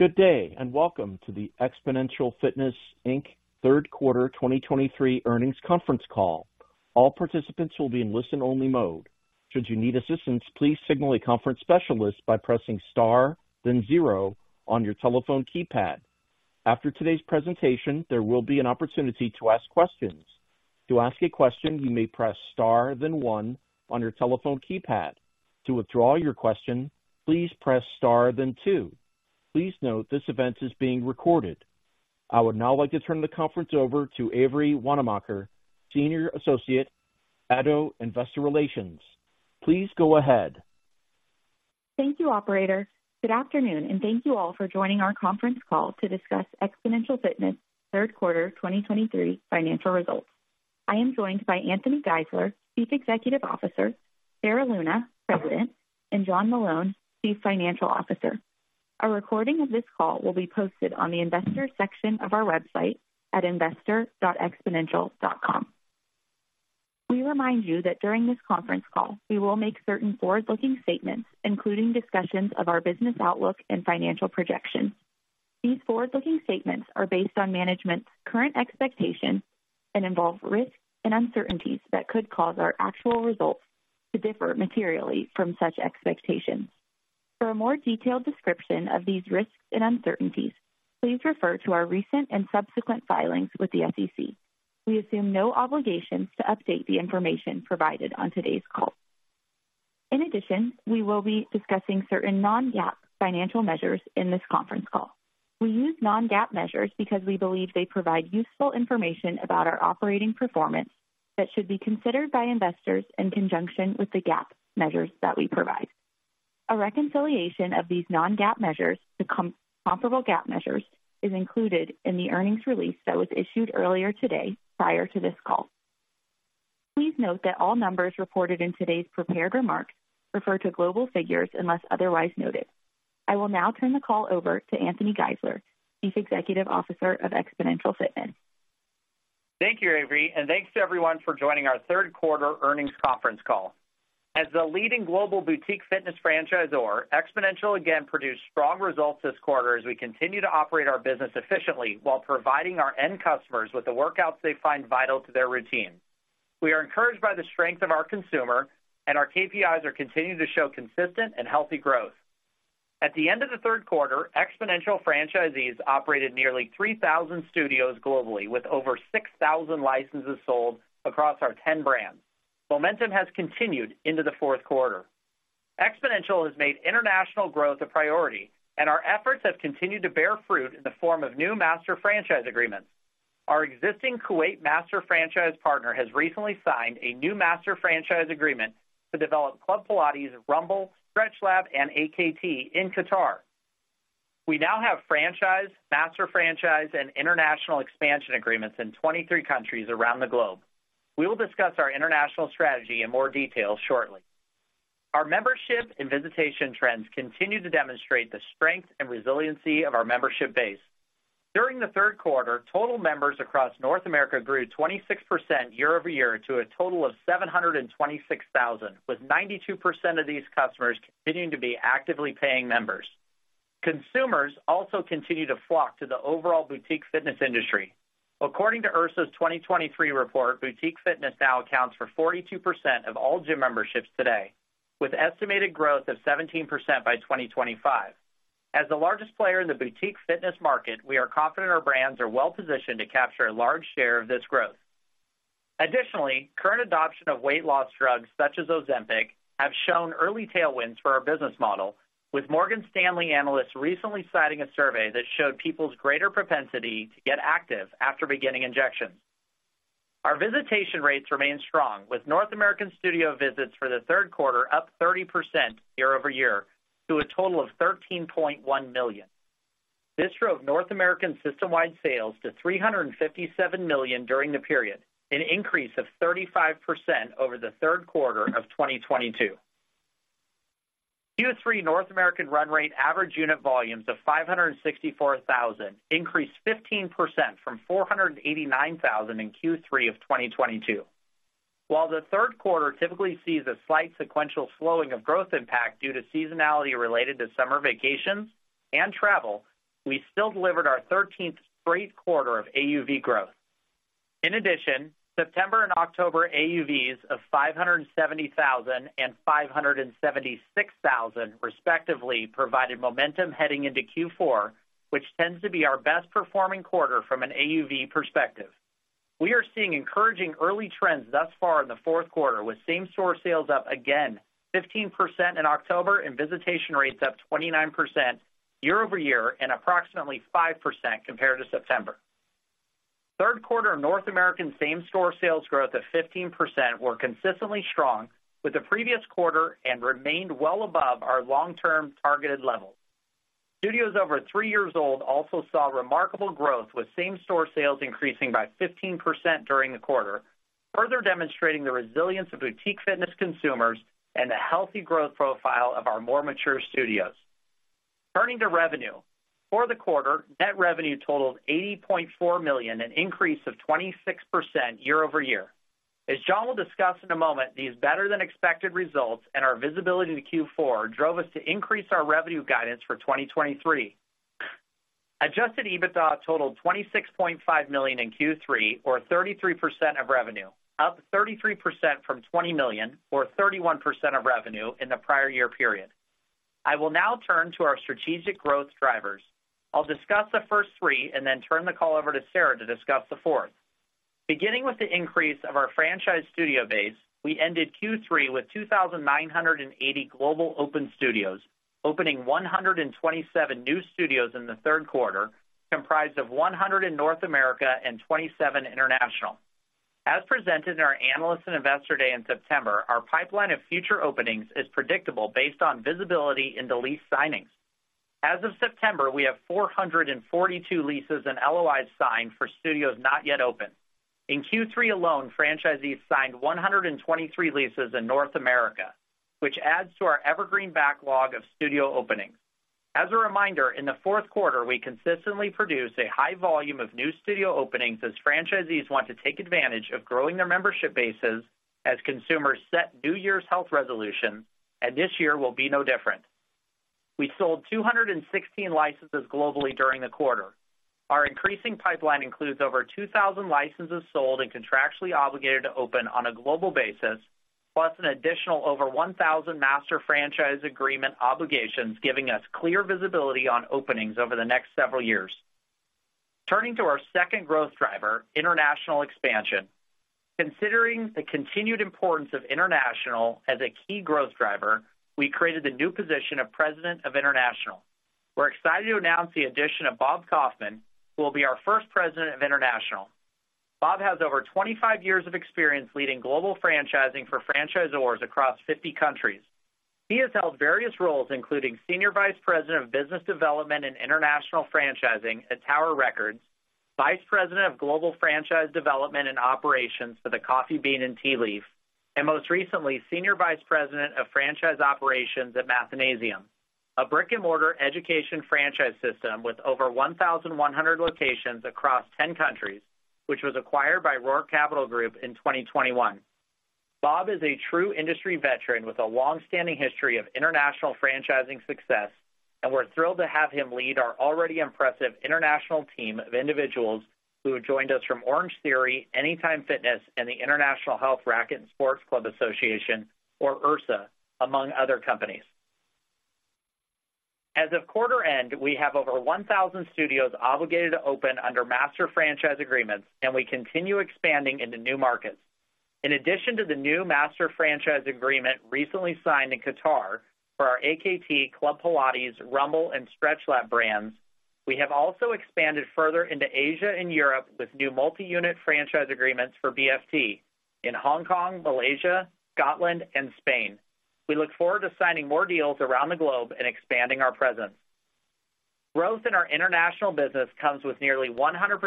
Good day, and welcome to the Xponential Fitness, Inc. third quarter 2023 earnings conference call. All participants will be in listen-only mode. Should you need assistance, please signal a conference specialist by pressing star, then zero on your telephone keypad. After today's presentation, there will be an opportunity to ask questions. To ask a question, you may press star, then one on your telephone keypad. To withdraw your question, please press star then two. Please note, this event is being recorded. I would now like to turn the conference over to Avery Wannemacher, senior associate, Edelman Investor Relations. Please go ahead. Thank you, operator. Good afternoon, and thank you all for joining our conference call to discuss Xponential Fitness third quarter 2023 financial results. I am joined by Anthony Geisler, Chief Executive Officer, Sarah Luna, President, and John Meloun, Chief Financial Officer. A recording of this call will be posted on the Investors section of our website at investor.xponential.com. We remind you that during this conference call, we will make certain forward-looking statements, including discussions of our business outlook and financial projections. These forward-looking statements are based on management's current expectations and involve risks and uncertainties that could cause our actual results to differ materially from such expectations. For a more detailed description of these risks and uncertainties, please refer to our recent and subsequent filings with the SEC. We assume no obligations to update the information provided on today's call. In addition, we will be discussing certain non-GAAP financial measures in this conference call. We use non-GAAP measures because we believe they provide useful information about our operating performance that should be considered by investors in conjunction with the GAAP measures that we provide. A reconciliation of these non-GAAP measures to comparable GAAP measures is included in the earnings release that was issued earlier today prior to this call. Please note that all numbers reported in today's prepared remarks refer to global figures unless otherwise noted. I will now turn the call over to Anthony Geisler, Chief Executive Officer of Xponential Fitness. Thank you, Avery, and thanks to everyone for joining our third quarter earnings conference call. As the leading global boutique fitness franchisor, Xponential again produced strong results this quarter as we continue to operate our business efficiently while providing our end customers with the workouts they find vital to their routine. We are encouraged by the strength of our consumer, and our KPIs are continuing to show consistent and healthy growth. At the end of the third quarter, Xponential franchisees operated nearly 3,000 studios globally, with over 6,000 licenses sold across our 10 brands. Momentum has continued into the fourth quarter. Xponential has made international growth a priority, and our efforts have continued to bear fruit in the form of new master franchise agreements. Our existing Kuwait master franchise partner has recently signed a new master franchise agreement to develop Club Pilates, Rumble, StretchLab, and AKT in Qatar. We now have franchise, master franchise, and international expansion agreements in 23 countries around the globe. We will discuss our international strategy in more detail shortly. Our membership and visitation trends continue to demonstrate the strength and resiliency of our membership base. During the third quarter, total members across North America grew 26% year-over-year to a total of 726,000, with 92% of these customers continuing to be actively paying members. Consumers also continue to flock to the overall boutique fitness industry. According to IHRSA's 2023 report, boutique fitness now accounts for 42% of all gym memberships today, with estimated growth of 17% by 2025. As the largest player in the boutique fitness market, we are confident our brands are well-positioned to capture a large share of this growth. Additionally, current adoption of weight loss drugs, such as Ozempic, have shown early tailwinds for our business model, with Morgan Stanley analysts recently citing a survey that showed people's greater propensity to get active after beginning injections. Our visitation rates remain strong, with North American studio visits for the third quarter up 30% year over year to a total of $13.1 million. This drove North American system-wide sales to $357 million during the period, an increase of 35% over the third quarter of 2022. Q3 North American run rate average unit volumes of 564,000 increased 15% from 489,000 in Q3 of 2022. While the third quarter typically sees a slight sequential slowing of growth impact due to seasonality related to summer vacations and travel, we still delivered our thirteenth straight quarter of AUV growth. In addition, September and October AUVs of 570,000 and 576,000, respectively, provided momentum heading into Q4, which tends to be our best performing quarter from an AUV perspective. We are seeing encouraging early trends thus far in the fourth quarter, with same-store sales up again 15% in October and visitation rates up 29% year-over-year and approximately 5% compared to September. Third quarter North American same-store sales growth of 15% were consistently strong with the previous quarter and remained well above our long-term targeted levels. Studios over three years old also saw remarkable growth, with same-store sales increasing by 15% during the quarter, further demonstrating the resilience of boutique fitness consumers and the healthy growth profile of our more mature studios. Turning to revenue. For the quarter, net revenue totaled $80.4 million, an increase of 26% year over year. As John will discuss in a moment, these better-than-expected results and our visibility to Q4 drove us to increase our revenue guidance for 2023. Adjusted EBITDA totaled $26.5 million in Q3, or 33% of revenue, up 33% from $20 million, or 31% of revenue in the prior year period. I will now turn to our strategic growth drivers. I'll discuss the first three and then turn the call over to Sarah to discuss the fourth. Beginning with the increase of our franchise studio base, we ended Q3 with 2,980 global open studios, opening 127 new studios in the third quarter, comprised of 100 in North America and 27 international. As presented in our Analyst and Investor Day in September, our pipeline of future openings is predictable based on visibility into lease signings. As of September, we have 442 leases and LOIs signed for studios not yet open. In Q3 alone, franchisees signed 123 leases in North America, which adds to our evergreen backlog of studio openings. As a reminder, in the fourth quarter, we consistently produce a high volume of new studio openings as franchisees want to take advantage of growing their membership bases as consumers set New Year's health resolutions, and this year will be no different. We sold 216 licenses globally during the quarter. Our increasing pipeline includes over 2,000 licenses sold and contractually obligated to open on a global basis, plus an additional over 1,000 master franchise agreement obligations, giving us clear visibility on openings over the next several years. Turning to our second growth driver, international expansion. Considering the continued importance of international as a key growth driver, we created the new position of President of International. We're excited to announce the addition of Bob Kaufman, who will be our first President of International. Bob has over 25 years of experience leading global franchising for franchisors across 50 countries. He has held various roles, including Senior Vice President of Business Development and International Franchising at Tower Records, Vice President of Global Franchise Development and Operations for the Coffee Bean & Tea Leaf, and most recently, Senior Vice President of Franchise Operations at Mathnasium, a brick-and-mortar education franchise system with over 1,100 locations across 10 countries, which was acquired by Roark Capital Group in 2021. Bob is a true industry veteran with a long-standing history of international franchising success, and we're thrilled to have him lead our already impressive international team of individuals who have joined us from Orangetheory, Anytime Fitness, and the International Health, Racquet and Sports Club Association, or IHRSA, among other companies. As of quarter end, we have over 1,000 studios obligated to open under master franchise agreements, and we continue expanding into new markets. In addition to the new master franchise agreement recently signed in Qatar for our AKT, Club Pilates, Rumble, and StretchLab brands, we have also expanded further into Asia and Europe with new multi-unit franchise agreements for BFT in Hong Kong, Malaysia, Scotland, and Spain. We look forward to signing more deals around the globe and expanding our presence. Growth in our international business comes with nearly 100%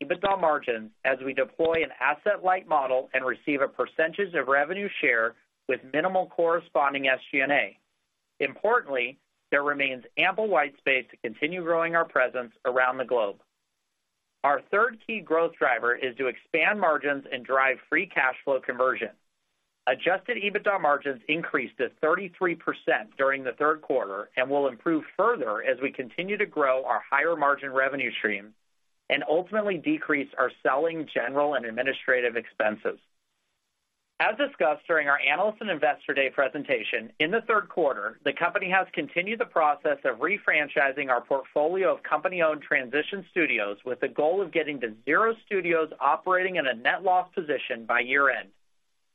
EBITDA margins as we deploy an asset-light model and receive a percentage of revenue share with minimal corresponding SG&A. Importantly, there remains ample white space to continue growing our presence around the globe. Our third key growth driver is to expand margins and drive free cash flow conversion. Adjusted EBITDA margins increased to 33% during the third quarter and will improve further as we continue to grow our higher-margin revenue stream and ultimately decrease our selling, general, and administrative expenses. As discussed during our Analyst and Investor Day presentation, in the third quarter, the company has continued the process of refranchising our portfolio of company-owned transition studios with the goal of getting to zero studios operating in a net loss position by year-end.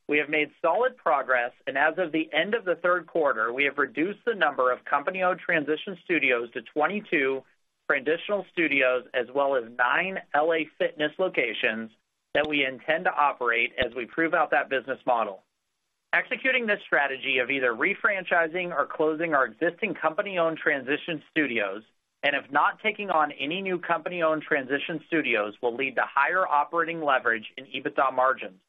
We have made solid progress, and as of the end of the third quarter, we have reduced the number of company-owned transition studios to 22 transitional studios, as well as nine LA Fitness locations that we intend to operate as we prove out that business model. Executing this strategy of either refranchising or closing our existing company-owned transition studios, and if not taking on any new company-owned transition studios, will lead to higher operating leverage in EBITDA margins.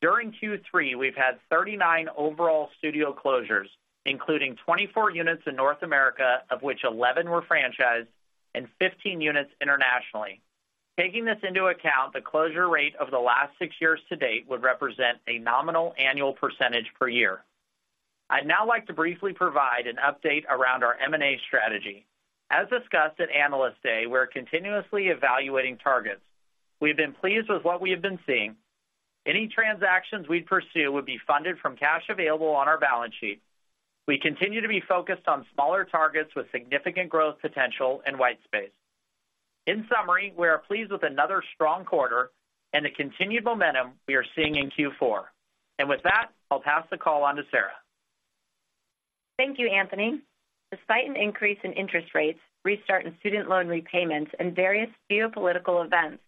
During Q3, we've had 39 overall studio closures, including 24 units in North America, of which 11 were franchised, and 15 units internationally. Taking this into account, the closure rate over the last six years to date would represent a nominal annual percentage per year. I'd now like to briefly provide an update around our M&A strategy. As discussed at Analyst Day, we're continuously evaluating targets. We've been pleased with what we have been seeing. Any transactions we pursue would be funded from cash available on our balance sheet. We continue to be focused on smaller targets with significant growth, potential, and white space. In summary, we are pleased with another strong quarter and the continued momentum we are seeing in Q4. With that, I'll pass the call on to Sarah. Thank you, Anthony. Despite an increase in interest rates, restart in student loan repayments, and various geopolitical events,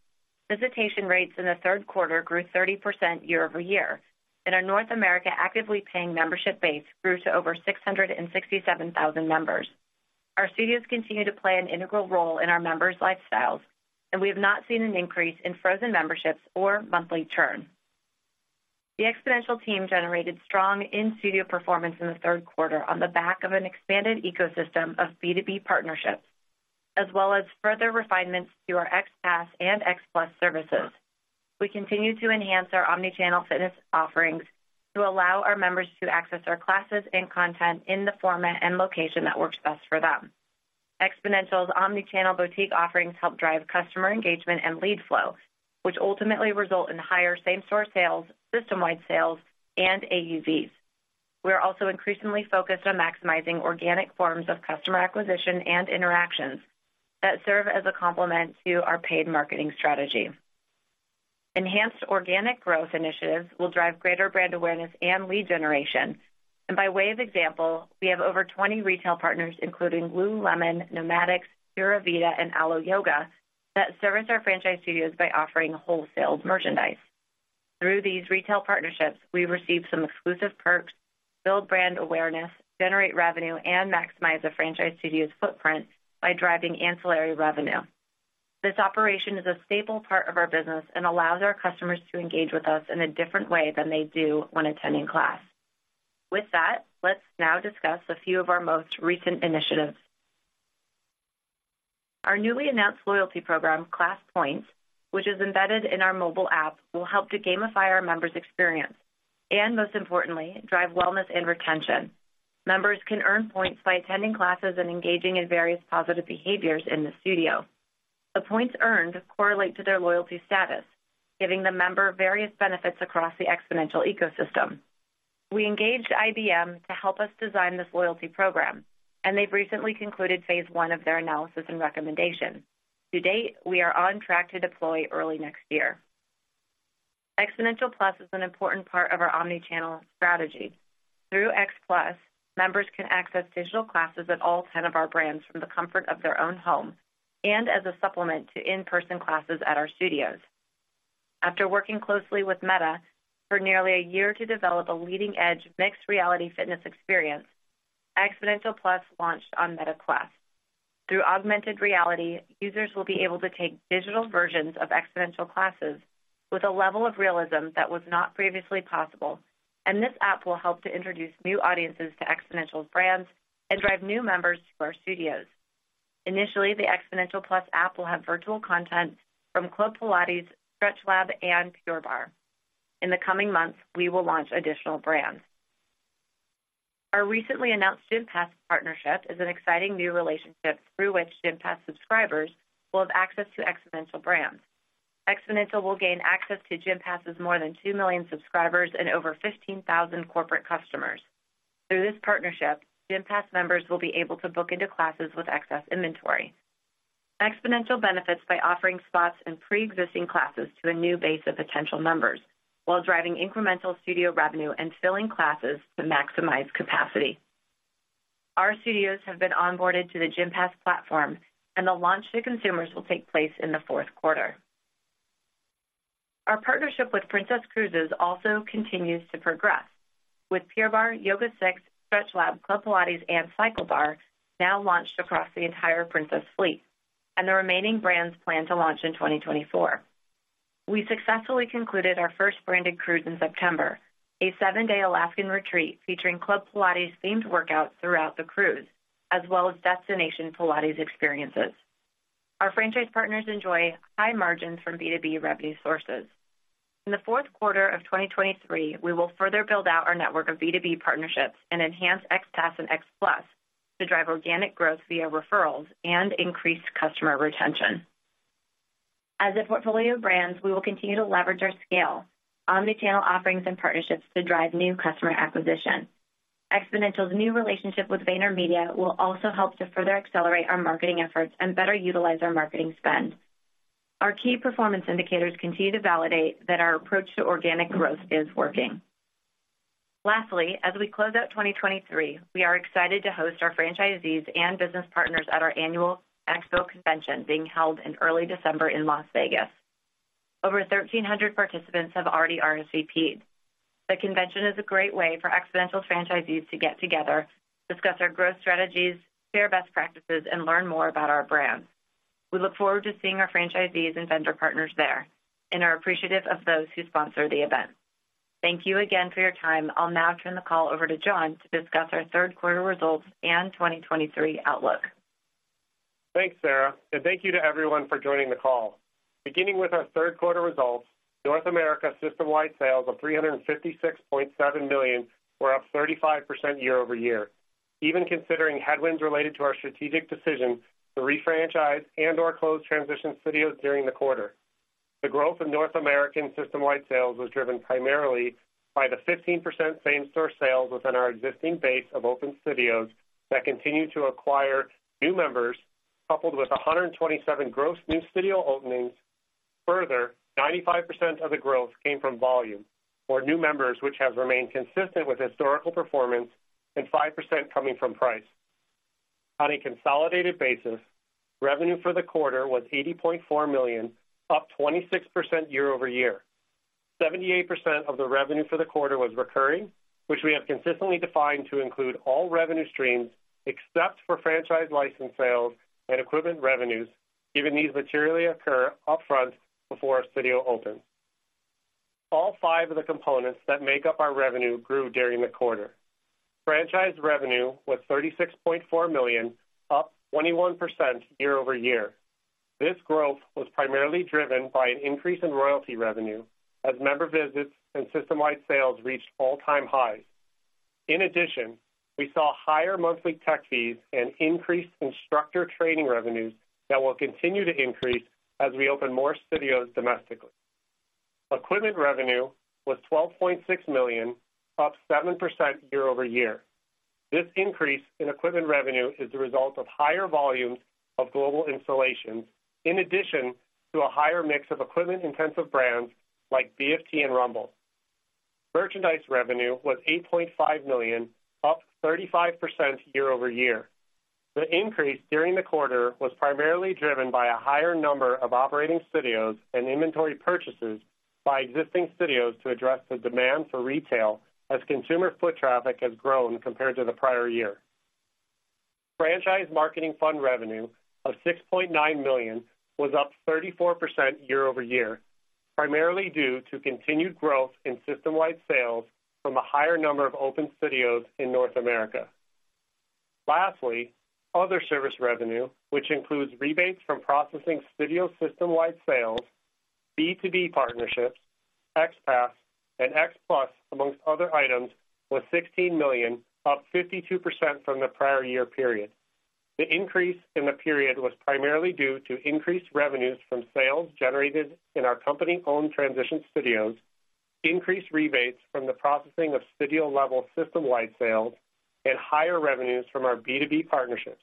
visitation rates in the third quarter grew 30% year-over-year, and our North America actively paying membership base grew to over 667,000 members. Our studios continue to play an integral role in our members' lifestyles, and we have not seen an increase in frozen memberships or monthly churn. The Xponential team generated strong in-studio performance in the third quarter on the back of an expanded ecosystem of B2B partnerships... as well as further refinements to our XPASS and XPLS services. We continue to enhance our omni-channel fitness offerings to allow our members to access our classes and content in the format and location that works best for them. Xponential's omni-channel boutique offerings help drive customer engagement and lead flow, which ultimately result in higher Same-Store Sales, System-Wide Sales, and AUVs. We are also increasingly focused on maximizing organic forms of customer acquisition and interactions that serve as a complement to our paid marketing strategy. Enhanced organic growth initiatives will drive greater brand awareness and lead generation, and by way of example, we have over 20 retail partners, including Lululemon, Nomadic, Pura Vida, and Alo Yoga, that service our franchise studios by offering wholesale merchandise. Through these retail partnerships, we receive some exclusive perks, build brand awareness, generate revenue, and maximize the franchise studio's footprint by driving ancillary revenue. This operation is a stable part of our business and allows our customers to engage with us in a different way than they do when attending class. With that, let's now discuss a few of our most recent initiatives. Our newly announced loyalty program, ClassPoints, which is embedded in our mobile app, will help to gamify our members' experience and, most importantly, drive wellness and retention. Members can earn points by attending classes and engaging in various positive behaviors in the studio. The points earned correlate to their loyalty status, giving the member various benefits across the Xponential ecosystem. We engaged IBM to help us design this loyalty program, and they've recently concluded phase one of their analysis and recommendation. To date, we are on track to deploy early next year. Xponential Plus is an important part of our omni-channel strategy. Through XPLUS, members can access digital classes at all 10 of our brands from the comfort of their own home and as a supplement to in-person classes at our studios. After working closely with Meta for nearly a year to develop a leading-edge mixed reality fitness experience, Xponential+ launched on Meta Quest. Through augmented reality, users will be able to take digital versions of Xponential classes with a level of realism that was not previously possible, and this app will help to introduce new audiences to Xponential's brands and drive new members to our studios. Initially, the Xponential+ app will have virtual content from Club Pilates, StretchLab, and Pure Barre. In the coming months, we will launch additional brands. Our recently announced Gympass partnership is an exciting new relationship through which Gympass subscribers will have access to Xponential brands. Xponential will gain access to Gympass' more than 2 million subscribers and over 15,000 corporate customers. Through this partnership, Gympass members will be able to book into classes with excess inventory. Xponential benefits by offering spots in pre-existing classes to a new base of potential members, while driving incremental studio revenue and filling classes to maximize capacity. Our studios have been onboarded to the Gympass platform, and the launch to consumers will take place in the fourth quarter. Our partnership with Princess Cruises also continues to progress, with Pure Barre, YogaSix, StretchLab, Club Pilates, and CycleBar now launched across the entire Princess fleet, and the remaining brands plan to launch in 2024. We successfully concluded our first branded cruise in September, a seven day Alaskan retreat featuring Club Pilates-themed workouts throughout the cruise, as well as destination Pilates experiences. Our franchise partners enjoy high margins from B2B revenue sources. In the fourth quarter of 2023, we will further build out our network of B2B partnerships and enhance XPASS and XPLUS to drive organic growth via referrals and increase customer retention. As a portfolio of brands, we will continue to leverage our scale, omni-channel offerings, and partnerships to drive new customer acquisition. Xponential's new relationship with VaynerMedia will also help to further accelerate our marketing efforts and better utilize our marketing spend. Our key performance indicators continue to validate that our approach to organic growth is working. Lastly, as we close out 2023, we are excited to host our franchisees and business partners at our annual XPO Convention being held in early December in Las Vegas. Over 1,300 participants have already RSVP'd. The convention is a great way for Xponential franchisees to get together, discuss our growth strategies, share best practices, and learn more about our brands. We look forward to seeing our franchisees and vendor partners there and are appreciative of those who sponsor the event. Thank you again for your time. I'll now turn the call over to John to discuss our third quarter results and 2023 outlook. Thanks, Sarah, and thank you to everyone for joining the call. Beginning with our third quarter results, North America system-wide sales of $356.7 million were up 35% year over year, even considering headwinds related to our strategic decisions to refranchise and/or close transition studios during the quarter. The growth in North American system-wide sales was driven primarily by the 15% same-store sales within our existing base of open studios that continue to acquire new members, coupled with 127 gross new studio openings. Further, 95% of the growth came from volume or new members, which has remained consistent with historical performance, and 5% coming from price. On a consolidated basis, revenue for the quarter was $80.4 million, up 26% year over year. 78% of the revenue for the quarter was recurring, which we have consistently defined to include all revenue streams except for franchise license sales and equipment revenues, given these materially occur upfront before a studio opens. All five of the components that make up our revenue grew during the quarter. Franchise revenue was $36.4 million, up 21% year-over-year. This growth was primarily driven by an increase in royalty revenue, as member visits and system-wide sales reached all-time highs. In addition, we saw higher monthly tech fees and increased instructor training revenues that will continue to increase as we open more studios domestically. Equipment revenue was $12.6 million, up 7% year-over-year. This increase in equipment revenue is the result of higher volumes of global installations, in addition to a higher mix of equipment-intensive brands like BFT and Rumble. Merchandise revenue was $8.5 million, up 35% year-over-year. The increase during the quarter was primarily driven by a higher number of operating studios and inventory purchases by existing studios to address the demand for retail, as consumer foot traffic has grown compared to the prior year. Franchise marketing fund revenue of $6.9 million was up 34% year-over-year, primarily due to continued growth in system-wide sales from a higher number of open studios in North America. Lastly, other service revenue, which includes rebates from processing studio system-wide sales, B2B partnerships, XPASS, and XPLUS, amongst other items, was $16 million, up 52% from the prior year period. The increase in the period was primarily due to increased revenues from sales generated in our company-owned transition studios, increased rebates from the processing of studio-level system-wide sales, and higher revenues from our B2B partnerships.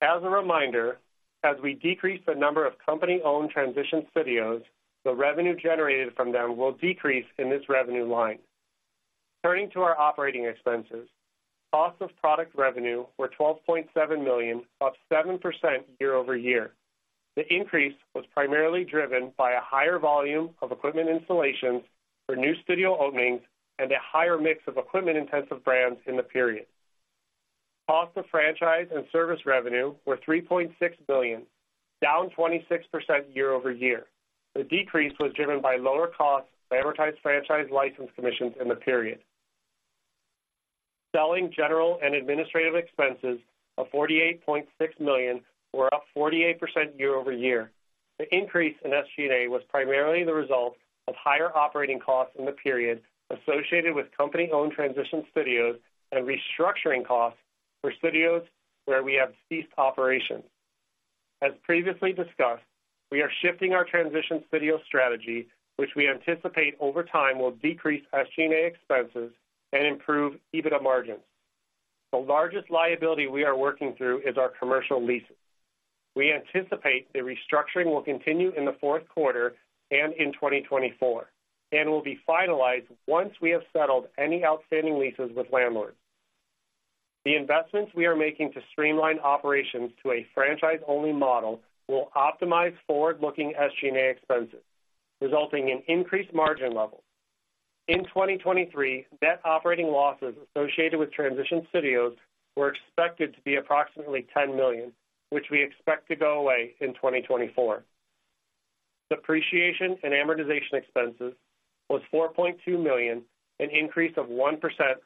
As a reminder, as we decrease the number of company-owned transition studios, the revenue generated from them will decrease in this revenue line. Turning to our operating expenses, cost of product revenue were $12.7 million, up 7% year over year. The increase was primarily driven by a higher volume of equipment installations for new studio openings and a higher mix of equipment-intensive brands in the period. Cost of franchise and service revenue were $3.6 billion, down 26% year over year. The decrease was driven by lower costs to advertise franchise license commissions in the period. Selling, general, and administrative expenses of $48.6 million were up 48% year-over-year. The increase in SG&A was primarily the result of higher operating costs in the period associated with company-owned transition studios and restructuring costs for studios where we have ceased operations. As previously discussed, we are shifting our transition studio strategy, which we anticipate over time will decrease SG&A expenses and improve EBITDA margins. The largest liability we are working through is our commercial leases. We anticipate the restructuring will continue in the fourth quarter and in 2024, and will be finalized once we have settled any outstanding leases with landlords. The investments we are making to streamline operations to a franchise-only model will optimize forward-looking SG&A expenses, resulting in increased margin levels. In 2023, net operating losses associated with transition studios were expected to be approximately $10 million, which we expect to go away in 2024. Depreciation and amortization expenses was $4.2 million, an increase of 1%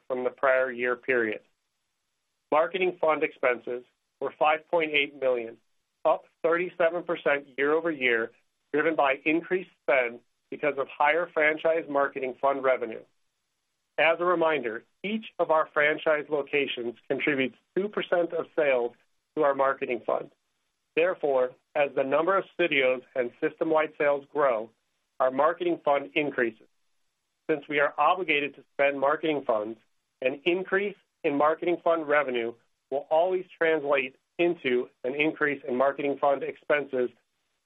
from the prior year period. Marketing fund expenses were $5.8 million, up 37% year-over-year, driven by increased spend because of higher franchise marketing fund revenue. As a reminder, each of our franchise locations contributes 2% of sales to our marketing fund. Therefore, as the number of studios and system-wide sales grow, our marketing fund increases. Since we are obligated to spend marketing fund, an increase in marketing fund revenue will always translate into an increase in marketing fund expenses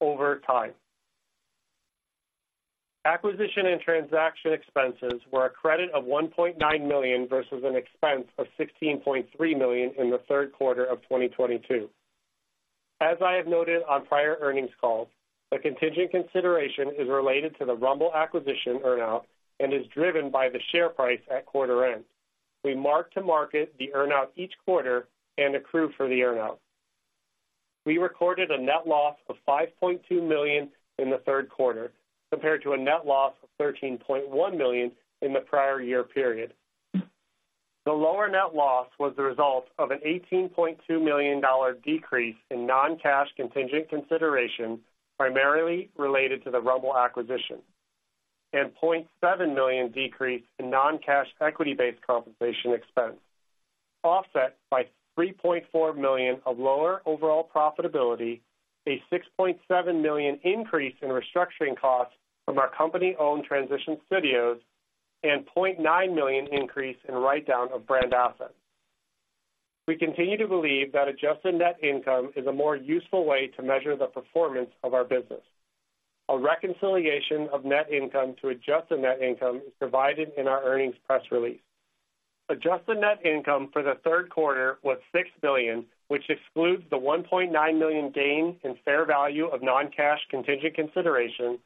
over time. Acquisition and transaction expenses were a credit of $1.9 million versus an expense of $16.3 million in the third quarter of 2022. As I have noted on prior earnings calls, the contingent consideration is related to the Rumble acquisition earn-out and is driven by the share price at quarter end. We mark to market the earn-out each quarter and accrue for the earn-out. We recorded a net loss of $5.2 million in the third quarter, compared to a net loss of $13.1 million in the prior year period. The lower net loss was the result of an $18.2 million decrease in non-cash contingent consideration, primarily related to the Rumble acquisition, and $0.7 million decrease in non-cash equity-based compensation expense, offset by $3.4 million of lower overall profitability, a $6.7 million increase in restructuring costs from our company-owned transition studios, and $0.9 million increase in write-down of brand assets. We continue to believe that adjusted net income is a more useful way to measure the performance of our business. A reconciliation of net income to adjusted net income is provided in our earnings press release. Adjusted net income for the third quarter was $6 billion, which excludes the $1.9 million gain in fair value of non-cash contingent consideration,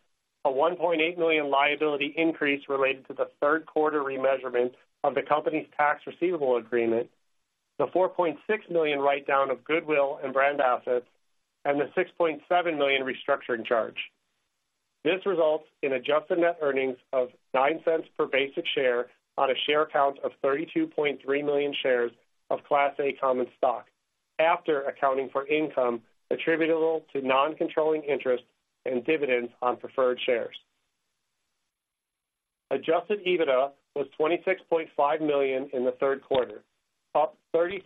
a $1.8 million liability increase related to the third quarter remeasurement of the company's tax receivable agreement-... the $4.6 million write-down of goodwill and brand assets, and the $6.7 million restructuring charge. This results in adjusted net earnings of $0.09 per basic share on a share count of 32.3 million shares of Class A common stock, after accounting for income attributable to non-controlling interests and dividends on preferred shares. Adjusted EBITDA was $26.5 million in the third quarter, up 33%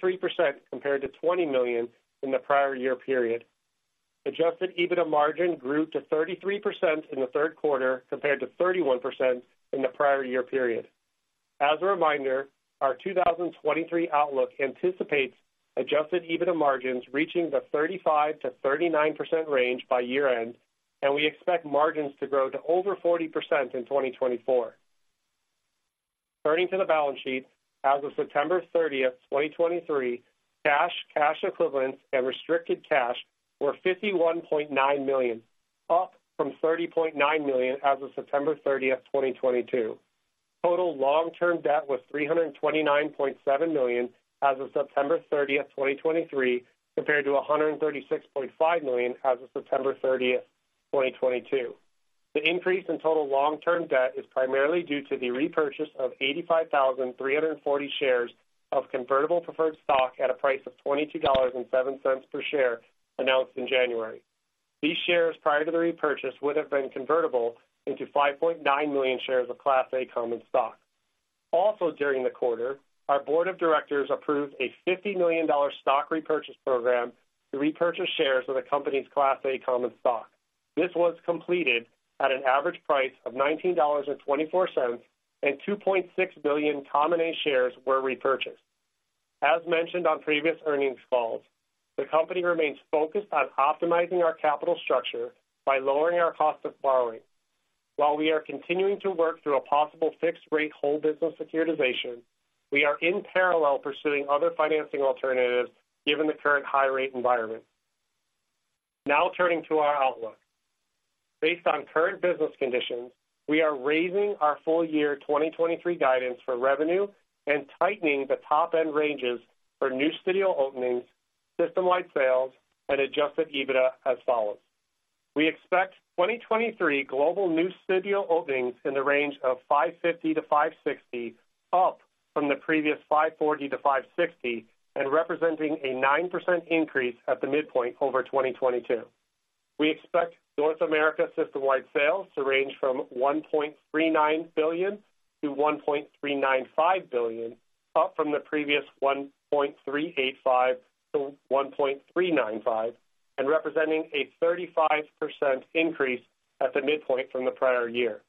compared to $20 million in the prior year period. Adjusted EBITDA margin grew to 33% in the third quarter, compared to 31% in the prior year period. As a reminder, our 2023 outlook anticipates adjusted EBITDA margins reaching the 35%-39% range by year-end, and we expect margins to grow to over 40% in 2024. Turning to the balance sheet. As of September 30th, 2023, cash, cash equivalents, and restricted cash were $51.9 million, up from $30.9 million as of September 30th, 2022. Total long-term debt was $329.7 million as of September 30th, 2023, compared to $136.5 million as of September 30th, 2022. The increase in total long-term debt is primarily due to the repurchase of 85,340 shares of convertible preferred stock at a price of $22.07 per share, announced in January. These shares, prior to the repurchase, would have been convertible into $5.9 million shares of Class A common stock. Also, during the quarter, our board of directors approved a $50 million stock repurchase program to repurchase shares of the company's Class A common stock. This was completed at an average price of $19.24, and $2.6 billion common A shares were repurchased. As mentioned on previous earnings calls, the company remains focused on optimizing our capital structure by lowering our cost of borrowing. While we are continuing to work through a possible fixed-rate whole business securitization, we are in parallel pursuing other financing alternatives, given the current high-rate environment. Now turning to our outlook. Based on current business conditions, we are raising our full year 2023 guidance for revenue and tightening the top-end ranges for new studio openings, system-wide sales, and Adjusted EBITDA as follows: We expect 2023 global new studio openings in the range of 550-560, up from the previous 540-560, and representing a 9% increase at the midpoint over 2022. We expect North America System-Wide Sales to range from $1.39 billion-$1.395 billion, up from the previous $1.385 billion-$1.395 billion, and representing a 35% increase at the midpoint from the prior year.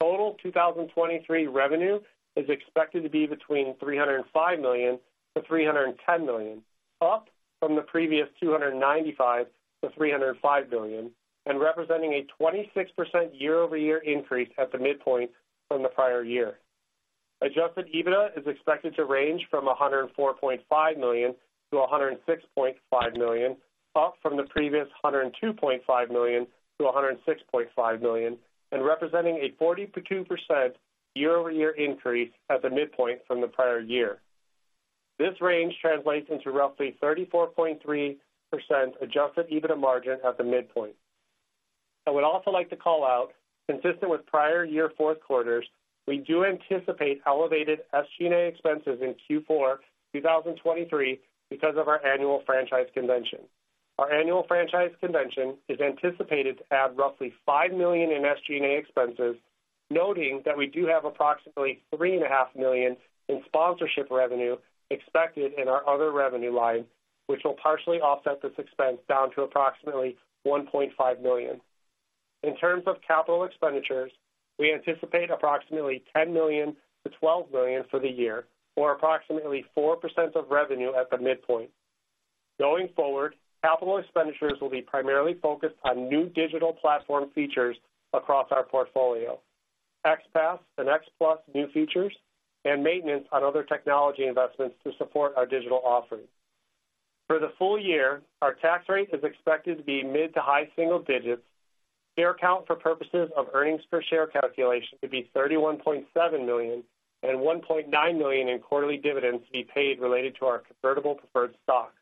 Total 2023 revenue is expected to be between $305 million-$310 million, up from the previous $295 million-$305 million, and representing a 26% year-over-year increase at the midpoint from the prior year. Adjusted EBITDA is expected to range from $104.5 million-$106.5 million, up from the previous $102.5 million-$106.5 million, and representing a 42% year-over-year increase at the midpoint from the prior year. This range translates into roughly 34.3% adjusted EBITDA margin at the midpoint. I would also like to call out, consistent with prior year fourth quarters, we do anticipate elevated SG&A expenses in Q4 2023, because of our annual franchise convention. Our annual franchise convention is anticipated to add roughly $5 million in SG&A expenses, noting that we do have approximately $3.5 million in sponsorship revenue expected in our other revenue line, which will partially offset this expense down to approximately $1.5 million. In terms of capital expenditures, we anticipate approximately $10 million-$12 million for the year, or approximately 4% of revenue at the midpoint. Going forward, capital expenditures will be primarily focused on new digital platform features across our portfolio, XPASS and XPlus new features, and maintenance on other technology investments to support our digital offerings. For the full year, our tax rate is expected to be mid- to high-single digits. Share count for purposes of earnings per share calculation to be 31.7 million and $1.9 million in quarterly dividends to be paid related to our convertible preferred stock.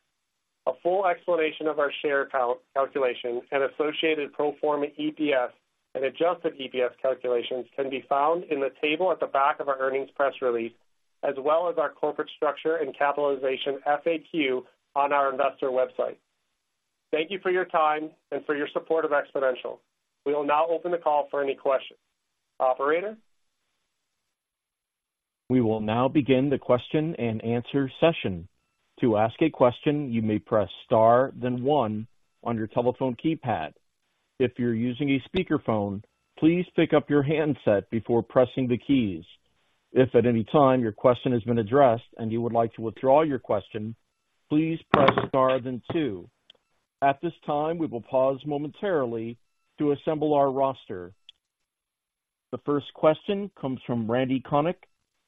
A full explanation of our share count, calculation and associated pro forma EPS and adjusted EPS calculations can be found in the table at the back of our earnings press release, as well as our corporate structure and capitalization FAQ on our investor website. Thank you for your time and for your support of Xponential. We will now open the call for any questions. Operator? We will now begin the question and answer session. To ask a question, you may press star then one on your telephone keypad. If you're using a speakerphone, please pick up your handset before pressing the keys. If at any time your question has been addressed and you would like to withdraw your question, please press star then two. At this time, we will pause momentarily to assemble our roster. The first question comes from Randy Konik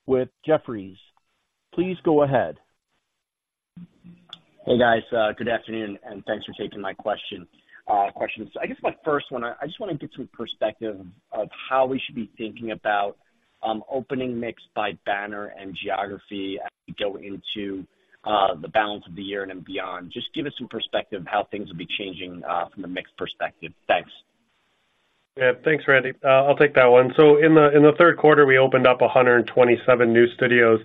with Jefferies. Please go ahead. Hey, guys. Good afternoon, and thanks for taking my question, questions. I guess my first one, I just want to get some perspective of how we should be thinking about opening mix by banner and geography as we go into the balance of the year and then beyond. Just give us some perspective how things will be changing from the mix perspective. Thanks. Yeah. Thanks, Randy. I'll take that one. So in the third quarter, we opened up 127 new studios.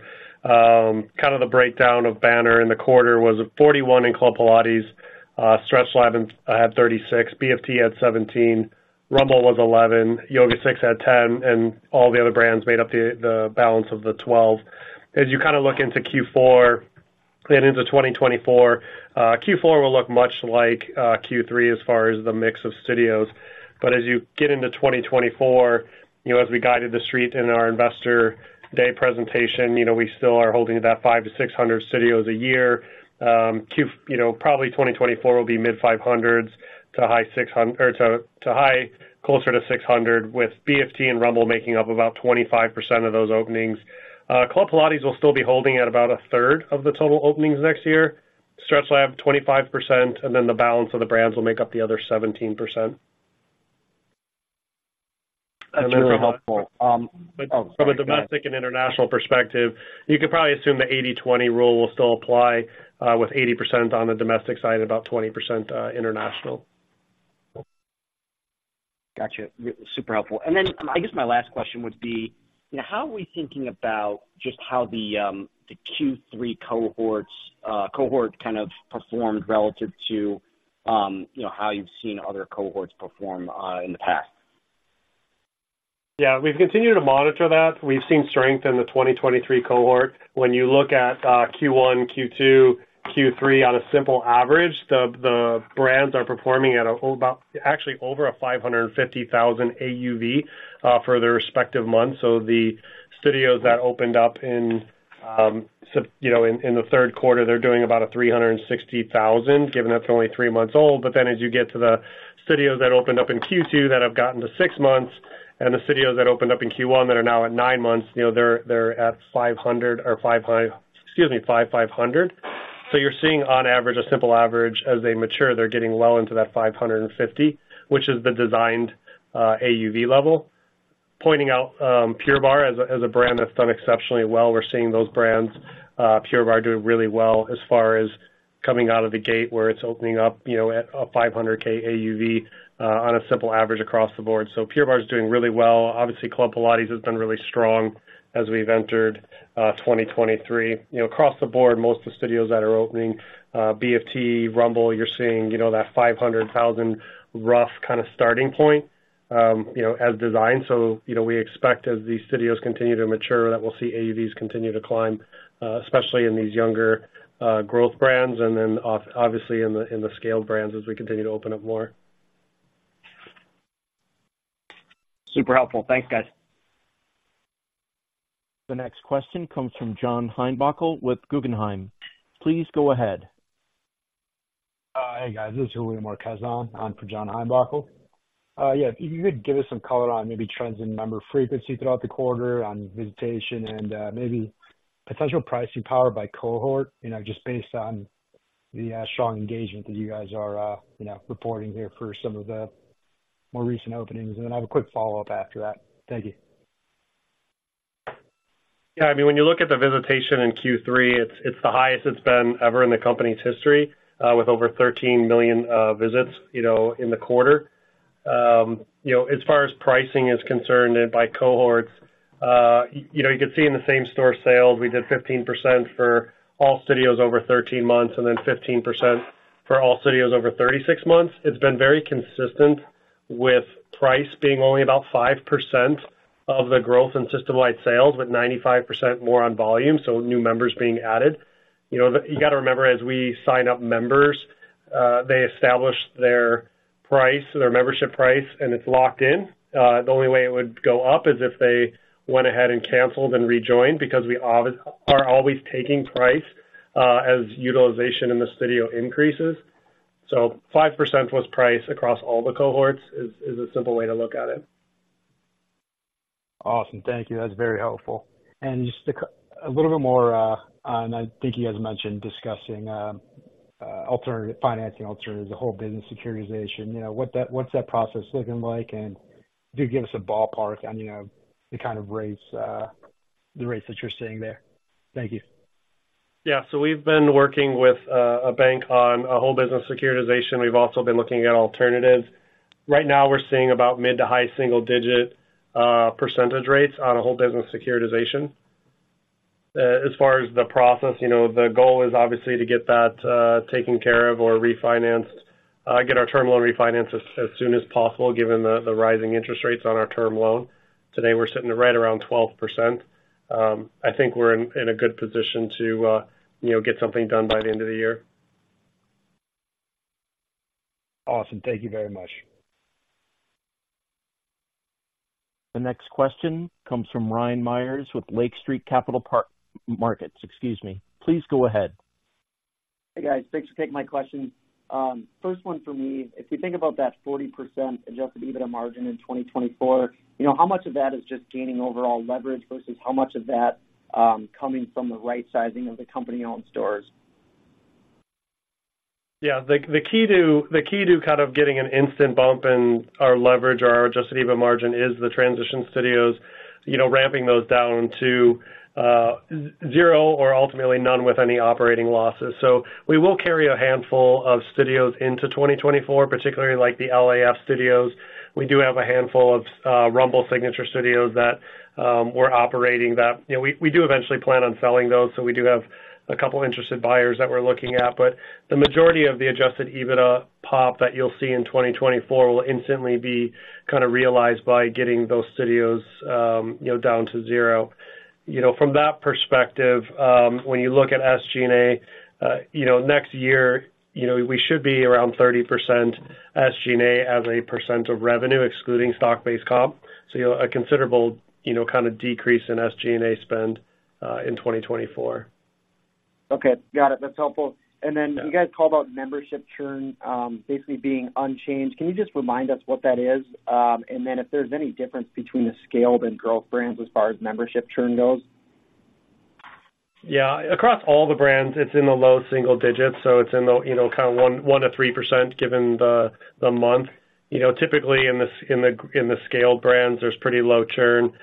Kind of the breakdown of banner in the quarter was 41 in Club Pilates, StretchLab had 36, BFT had 17, Rumble was 11, YogaSix had 10, and all the other brands made up the balance of the 12. As you kind of look into Q4 and into 2024, Q4 will look much like Q3 as far as the mix of studios. But as you get into 2024, you know, as we guided the street in our Investor Day presentation, you know, we still are holding that 500-600 studios a year. you know, probably 2024 will be mid-500s to high 600s or to, to high, closer to 600, with BFT and Rumble making up about 25% of those openings. Club Pilates will still be holding at about a third of the total openings next year. StretchLab, 25%, and then the balance of the brands will make up the other 17%. That's really helpful. Go ahead. From a domestic and international perspective, you could probably assume the 80-20 rule will still apply, with 80% on the domestic side, about 20% international. Gotcha. Super helpful. And then I guess my last question would be, you know, how are we thinking about just how the Q3 cohorts, cohort kind of performed relative to, you know, how you've seen other cohorts perform in the past? Yeah, we've continued to monitor that. We've seen strength in the 2023 cohort. When you look at Q1, Q2, Q3 on a simple average, the brands are performing at about—actually over $550,000 AUV for their respective months. So the studios that opened up in, you know, in the third quarter, they're doing about $360,000, given that they're only three months old. But then as you get to the studios that opened up in Q2 that have gotten to six months, and the studios that opened up in Q1 that are now at nine months, you know, they're at 500 or five high—excuse me, 550. So you're seeing, on average, a simple average, as they mature, they're getting well into that $550K, which is the designed AUV level. Pointing out Pure Barre as a brand that's done exceptionally well. We're seeing those brands, Pure Barre, doing really well as far as coming out of the gate, where it's opening up, you know, at a $500K AUV, on a simple average across the board. So Pure Barre is doing really well. Obviously, Club Pilates has been really strong as we've entered 2023. You know, across the board, most of the studios that are opening, BFT, Rumble, you're seeing, you know, that $500,000 rough kind of starting point, you know, as designed. So, you know, we expect as these studios continue to mature, that we'll see AUVs continue to climb, especially in these younger, growth brands, and then obviously in the scaled brands as we continue to open up more. Super helpful. Thanks, guys. The next question comes from John Heinbockel with Guggenheim. Please go ahead. Hey, guys. This is William Marquez on for John Heinbockel. Yeah, if you could give us some color on maybe trends in member frequency throughout the quarter, on visitation and, maybe potential pricing power by cohort, you know, just based on the strong engagement that you guys are, you know, reporting here for some of the more recent openings. And then I have a quick follow-up after that. Thank you. Yeah, I mean, when you look at the visitation in Q3, it's the highest it's been ever in the company's history, with over 13 million visits, you know, in the quarter. You know, as far as pricing is concerned and by cohorts, you know, you could see in the Same-Store Sales, we did 15% for all studios over 13 months, and then 15% for all studios over 36 months. It's been very consistent, with price being only about 5% of the growth in System-Wide Sales, with 95% more on volume, so new members being added. You know, you got to remember, as we sign up members, they establish their price, their membership price, and it's locked in. The only way it would go up is if they went ahead and canceled and rejoined, because we are always taking price as utilization in the studio increases. So 5% was price across all the cohorts, is a simple way to look at it. Awesome. Thank you. That's very helpful. And just a little bit more, and I think you guys mentioned discussing alternative financing alternatives, the Whole Business Securitization. You know, what's that process looking like? And if you give us a ballpark on, you know, the kind of rates, the rates that you're seeing there. Thank you. Yeah. So we've been working with a bank on a Whole Business Securitization. We've also been looking at alternatives. Right now, we're seeing about mid- to high-single-digit percentage rates on a Whole Business Securitization. As far as the process, you know, the goal is obviously to get that taken care of or refinanced, get our term loan refinanced as soon as possible, given the rising interest rates on our term loan. Today, we're sitting right around 12%. I think we're in a good position to, you know, get something done by the end of the year. Awesome. Thank you very much. The next question comes from Ryan Meyers with Lake Street Capital Markets, excuse me. Please go ahead. Hey, guys. Thanks for taking my question. First one for me, if you think about that 40% Adjusted EBITDA margin in 2024, you know, how much of that is just gaining overall leverage versus how much of that, coming from the right sizing of the company-owned stores? Yeah, the key to kind of getting an instant bump in our leverage or our Adjusted EBITDA margin is the transition studios, you know, ramping those down to zero or ultimately none with any operating losses. So we will carry a handful of studios into 2024, particularly like the LA Fitness studios. We do have a handful of Rumble signature studios that we're operating. You know, we do eventually plan on selling those, so we do have a couple interested buyers that we're looking at. But the majority of the Adjusted EBITDA pop that you'll see in 2024 will instantly be kind of realized by getting those studios, you know, down to zero. You know, from that perspective, when you look at SG&A, you know, next year, you know, we should be around 30% SG&A as a percent of revenue, excluding stock-based comp. So, you know, a considerable, you know, kind of decrease in SG&A spend, in 2024. Okay, got it. That's helpful. Yeah. And then you guys called out membership churn, basically being unchanged. Can you just remind us what that is? And then if there's any difference between the scaled and growth brands as far as membership churn goes? Yeah. Across all the brands, it's in the low single digits, so it's in the, you know, kind of 1%-3%, given the, the month. You know, typically in the scaled brands, there's pretty low churn,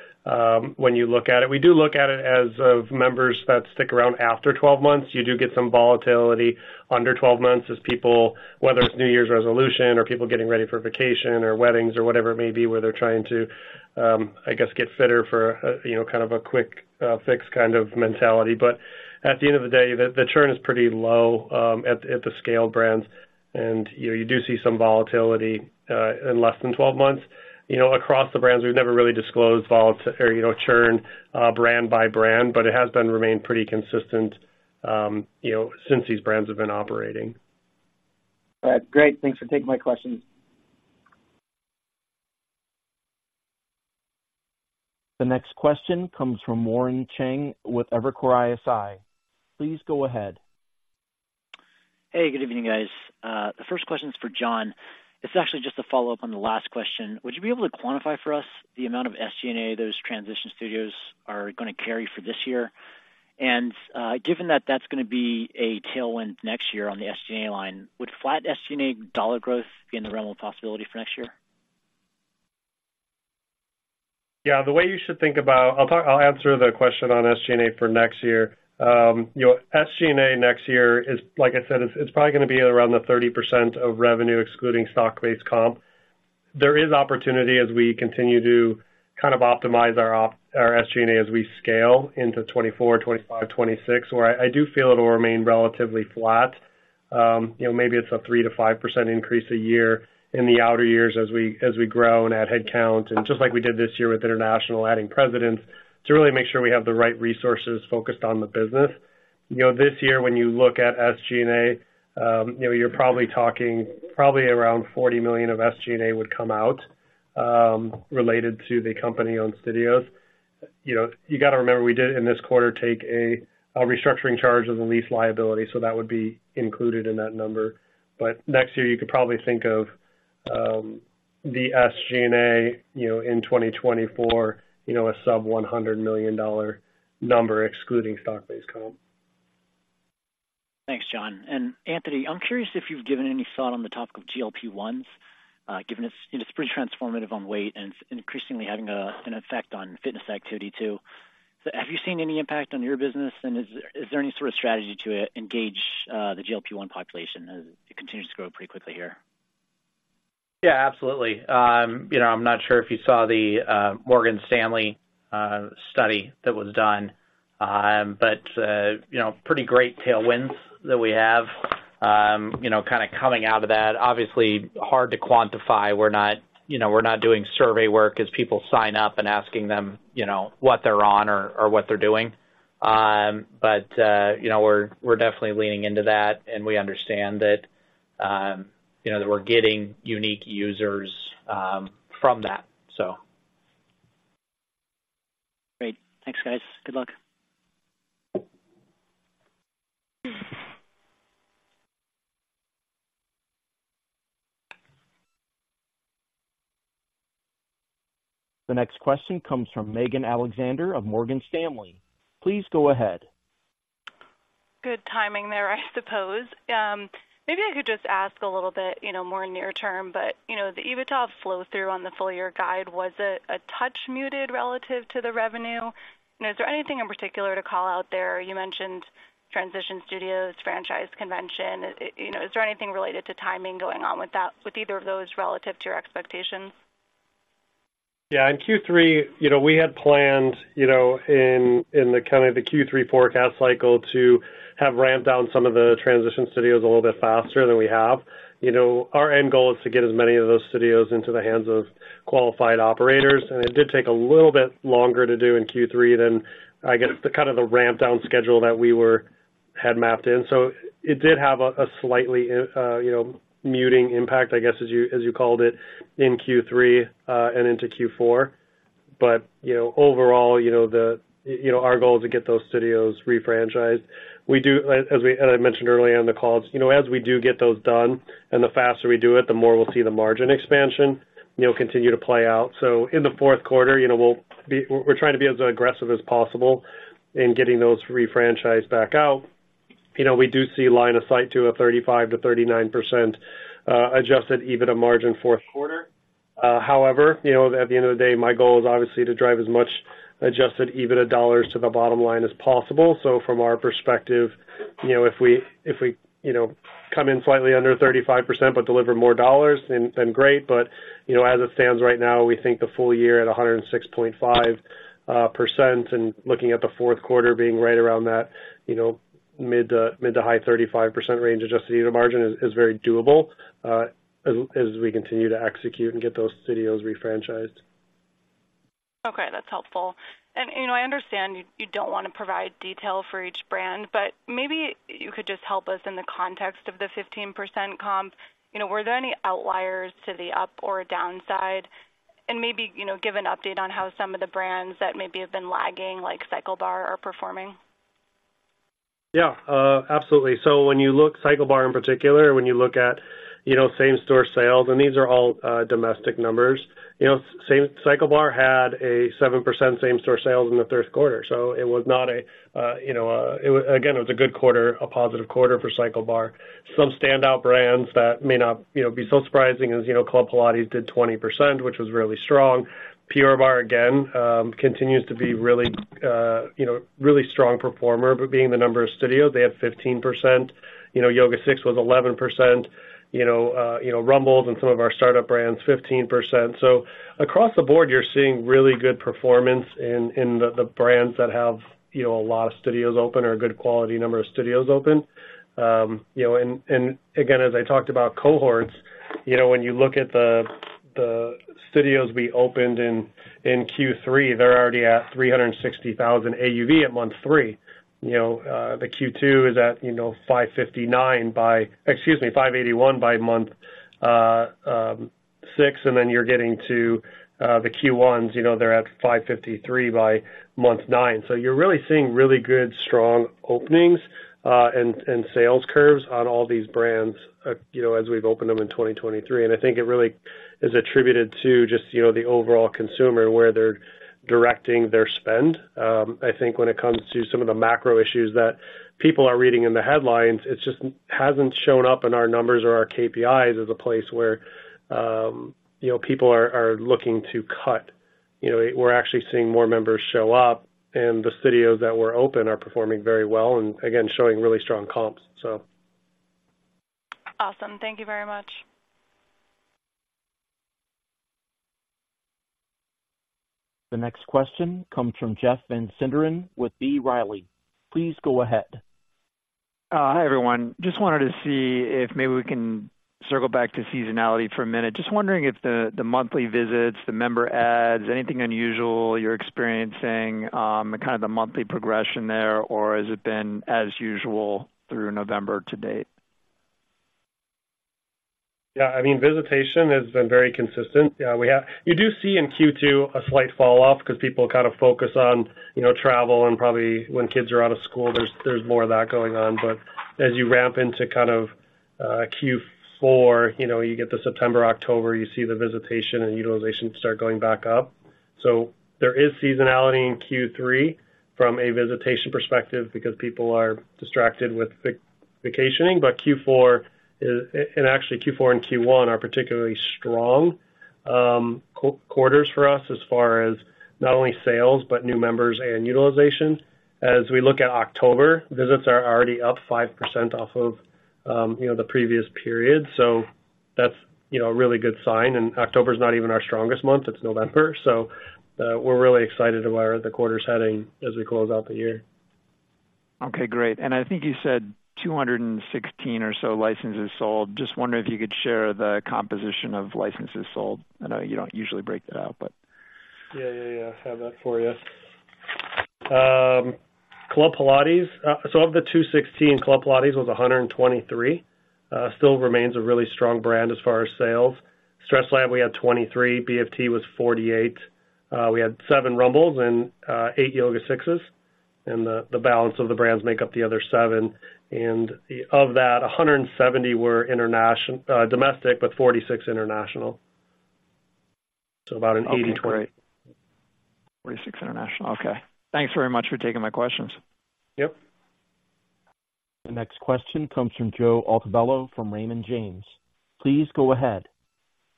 when you look at it. We do look at it as of members that stick around after 12 months. You do get some volatility under 12 months as people, whether it's New Year's resolution or people getting ready for vacation or weddings or whatever it may be, where they're trying to, I guess, get fitter for, you know, kind of a quick, fix kind of mentality. But at the end of the day, the churn is pretty low, at the scaled brands, and, you know, you do see some volatility, in less than 12 months. You know, across the brands, we've never really disclosed volatility or, you know, churn, brand by brand, but it has been remained pretty consistent, you know, since these brands have been operating. All right. Great. Thanks for taking my questions. The next question comes from Warren Cheng with Evercore ISI. Please go ahead. Hey, good evening, guys. The first question is for John. It's actually just a follow-up on the last question. Would you be able to quantify for us the amount of SG&A those transition studios are gonna carry for this year? And, given that that's gonna be a tailwind next year on the SG&A line, would flat SG&A dollar growth be in the realm of possibility for next year? Yeah. The way you should think about—I'll talk, I'll answer the question on SG&A for next year. You know, SG&A next year is, like I said, it's probably gonna be around the 30% of revenue, excluding stock-based comp. There is opportunity as we continue to kind of optimize our SG&A as we scale into 2024, 2025, 2026, where I do feel it'll remain relatively flat. You know, maybe it's a 3%-5% increase a year in the outer years as we grow and add headcount, and just like we did this year with international, adding presidents, to really make sure we have the right resources focused on the business. You know, this year, when you look at SG&A, you know, you're probably talking probably around $40 million of SG&A would come out, related to the company-owned studios. You know, you got to remember, we did, in this quarter, take a restructuring charge of the lease liability, so that would be included in that number. But next year, you could probably think of the SG&A, you know, in 2024, you know, a sub-$100 million number, excluding stock-based comp. Thanks, John. And Anthony, I'm curious if you've given any thought on the topic of GLP-1s, given it's pretty transformative on weight and it's increasingly having an effect on fitness activity too. So have you seen any impact on your business, and is there any sort of strategy to engage the GLP-1 population as it continues to grow pretty quickly here? Yeah, absolutely. You know, I'm not sure if you saw the Morgan Stanley study that was done. But you know, pretty great tailwinds that we have, you know, kind of coming out of that. Obviously, hard to quantify. We're not, you know, we're not doing survey work as people sign up and asking them, you know, what they're on or, or what they're doing. But you know, we're, we're definitely leaning into that, and we understand that, you know, that we're getting unique users from that, so. Great. Thanks, guys. Good luck. The next question comes from Megan Alexander of Morgan Stanley. Please go ahead. Good timing there, I suppose. Maybe I could just ask a little bit, you know, more near term, but, you know, the EBITDA flow-through on the full-year guide, was it a touch muted relative to the revenue? And is there anything in particular to call out there? You mentioned transition studios, franchise convention. You know, is there anything related to timing going on with that, with either of those relative to your expectations? Yeah. In Q3, you know, we had planned, you know, in the kind of the Q3 forecast cycle, to have ramped down some of the transition studios a little bit faster than we have. You know, our end goal is to get as many of those studios into the hands of qualified operators, and it did take a little bit longer to do in Q3 than, I guess, the kind of the ramp down schedule that we had mapped in. So it did have a slightly, you know, muting impact, I guess, as you called it, in Q3 and into Q4. But, you know, overall, you know, our goal is to get those studios refranchised. We do, as I mentioned earlier on the call, you know, as we do get those done and the faster we do it, the more we'll see the margin expansion, you know, continue to play out. So in the fourth quarter, you know, we're trying to be as aggressive as possible in getting those refranchised back out. You know, we do see line of sight to a 35%-39% adjusted EBITDA margin fourth quarter. However, you know, at the end of the day, my goal is obviously to drive as much adjusted EBITDA dollars to the bottom line as possible. So from our perspective, you know, if we, you know, come in slightly under 35%, but deliver more dollars, then great. But, you know, as it stands right now, we think the full year at 106.5% and looking at the fourth quarter being right around that, you know, mid- to high 35% range Adjusted EBITDA margin is very doable, as we continue to execute and get those studios refranchised. Okay, that's helpful. And, you know, I understand you don't want to provide detail for each brand, but maybe you could just help us in the context of the 15% comp. You know, were there any outliers to the up or downside? And maybe, you know, give an update on how some of the brands that maybe have been lagging, like CycleBar, are performing. Yeah, absolutely. So when you look CycleBar in particular, when you look at, you know, same-store sales, and these are all domestic numbers, you know, CycleBar had a 7% same-store sales in the third quarter, so it was not a, you know, again, it was a good quarter, a positive quarter for CycleBar. Some standout brands that may not, you know, be so surprising as you know, Club Pilates did 20%, which was really strong. Pure Barre, again, continues to be really, you know, really strong performer, but being the number of studios, they had 15%. You know, YogaSix was 11%, you know, you know, Rumble and some of our startup brands, 15%. So across the board, you're seeing really good performance in the brands that have, you know, a lot of studios open or a good quality number of studios open. You know, and again, as I talked about cohorts, you know, when you look at the studios we opened in Q3, they're already at $360,000 AUV at month three. You know, the Q2 is at, you know, 559 by... Excuse me, 581 by month six, and then you're getting to the Q1s, you know, they're at 553 by month nine. So you're really seeing really good, strong openings, and sales curves on all these brands, you know, as we've opened them in 2023. I think it really is attributed to just, you know, the overall consumer, where they're directing their spend. I think when it comes to some of the macro issues that people are reading in the headlines, it just hasn't shown up in our numbers or our KPIs as a place where, you know, people are looking to cut. You know, we're actually seeing more members show up, and the studios that were open are performing very well and again, showing really strong comps, so. Awesome. Thank you very much. The next question comes from Jeff Van Sinderen with B. Riley. Please go ahead. Hi, everyone. Just wanted to see if maybe we can circle back to seasonality for a minute. Just wondering if the monthly visits, the member adds, anything unusual you're experiencing, kind of the monthly progression there, or has it been as usual through November to date? Yeah, I mean, visitation has been very consistent. Yeah, we have you do see in Q2 a slight falloff because people kind of focus on, you know, travel and probably when kids are out of school, there's more of that going on. But as you ramp into kind of Q4, you know, you get to September, October, you see the visitation and utilization start going back up. So there is seasonality in Q3 from a visitation perspective because people are distracted with vacationing. But Q4 is and actually, Q4 and Q1 are particularly strong quarters for us as far as not only sales, but new members and utilization. As we look at October, visits are already up 5% off of, you know, the previous period, so that's, you know, a really good sign. And October is not even our strongest month, it's November. We're really excited about where the quarter's heading as we close out the year. Okay, great. I think you said 216 or so licenses sold. Just wondering if you could share the composition of licenses sold. I know you don't usually break that out, but. Yeah, yeah, yeah, I have that for you. Club Pilates, so of the 216, Club Pilates was 123. Still remains a really strong brand as far as sales. StretchLab, we had 23. BFT was 48. We had seven Rumbles and eight YogaSixes, and the balance of the brands make up the other seven. And of that, 170 were international, domestic, but 46 international. So about an eighty- Okay, great. 46 international. Okay. Thanks very much for taking my questions. Yep. The next question comes from Joe Altobello from Raymond James. Please go ahead.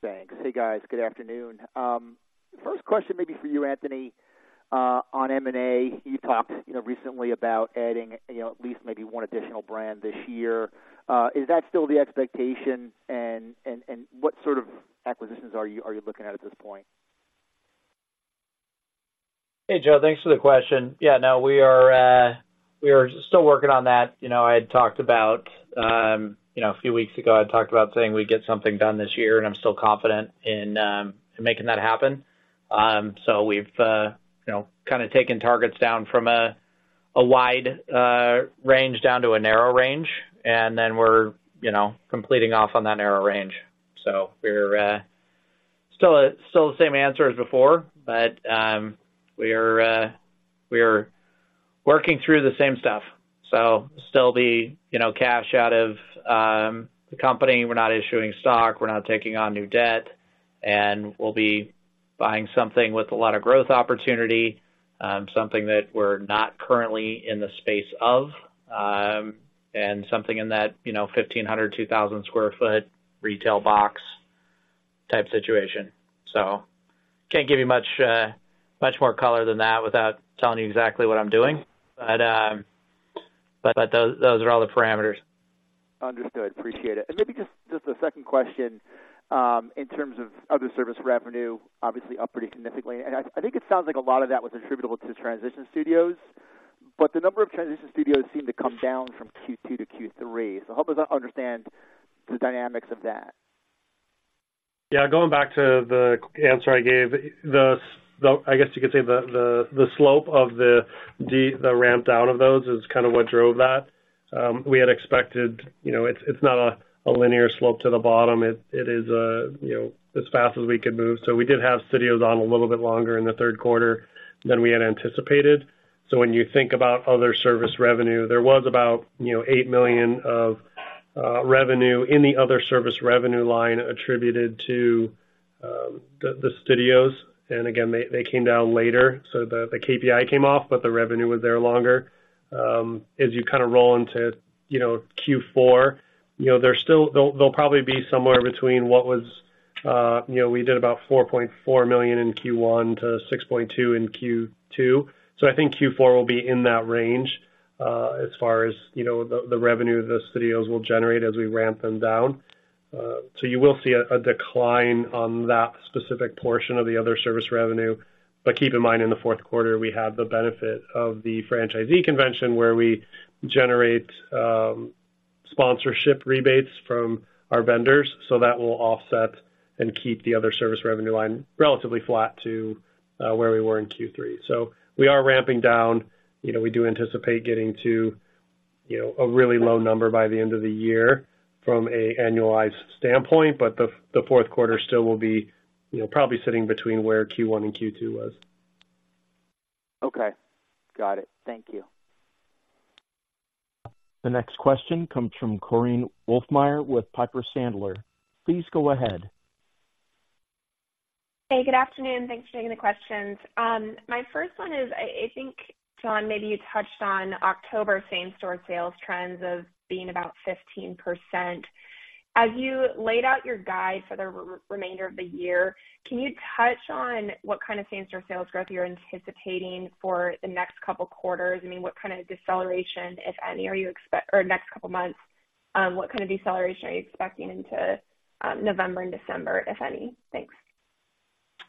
Thanks. Hey, guys. Good afternoon. First question may be for you, Anthony, on M&A. You talked, you know, recently about adding, you know, at least maybe one additional brand this year. Is that still the expectation? And what sort of acquisitions are you looking at at this point? Hey, Joe, thanks for the question. Yeah, no, we are, we are still working on that. You know, I had talked about, you know, a few weeks ago, I talked about saying we'd get something done this year, and I'm still confident in, making that happen. So we've, you know, kind of taken targets down from a wide range down to a narrow range, and then we're, you know, completing off on that narrow range. So we're, still, still the same answer as before, but, we're, we're working through the same stuff. So still the, you know, cash out of, the company. We're not issuing stock, we're not taking on new debt, and we'll be buying something with a lot of growth opportunity, something that we're not currently in the space of, and something in that, you know, 1,500-2,000 sq ft retail box type situation. So can't give you much more color than that without telling you exactly what I'm doing. But those are all the parameters. Understood. Appreciate it. And maybe just a second question. In terms of other service revenue, obviously up pretty significantly, and I think it sounds like a lot of that was attributable to transition studios, but the number of transition studios seemed to come down from Q2 to Q3. So help us understand the dynamics of that. Yeah. Going back to the answer I gave, the—I guess you could say—the slope of the ramp down of those is kind of what drove that. We had expected, you know, it's not a linear slope to the bottom. It is, you know, as fast as we could move. So we did have studios on a little bit longer in the third quarter than we had anticipated. So when you think about other service revenue, there was about, you know, $8 million of revenue in the other service revenue line attributed to the studios. And again, they came down later, so the KPI came off, but the revenue was there longer. As you kind of roll into, you know, Q4, you know, they'll probably be somewhere between what was, you know, we did about $4.4 million in Q1 to $6.2 million in Q2. So I think Q4 will be in that range, as far as, you know, the revenue the studios will generate as we ramp them down. So you will see a decline on that specific portion of the other service revenue. But keep in mind, in the fourth quarter, we have the benefit of the franchisee convention, where we generate sponsorship rebates from our vendors. So that will offset and keep the other service revenue line relatively flat to where we were in Q3. So we are ramping down. You know, we do anticipate getting to, you know, a really low number by the end of the year from an annualized standpoint, but the fourth quarter still will be, you know, probably sitting between where Q1 and Q2 was. Okay. Got it. Thank you. The next question comes from Korinne Wolfmeyer with Piper Sandler. Please go ahead. Hey, good afternoon. Thanks for taking the questions. My first one is, I think, John, maybe you touched on October same-store sales trends of being about 15%. As you laid out your guide for the remainder of the year, can you touch on what kind of same-store sales growth you're anticipating for the next couple quarters? I mean, what kind of deceleration, if any, are you expecting for the next couple of months, what kind of deceleration are you expecting into November and December, if any? Thanks.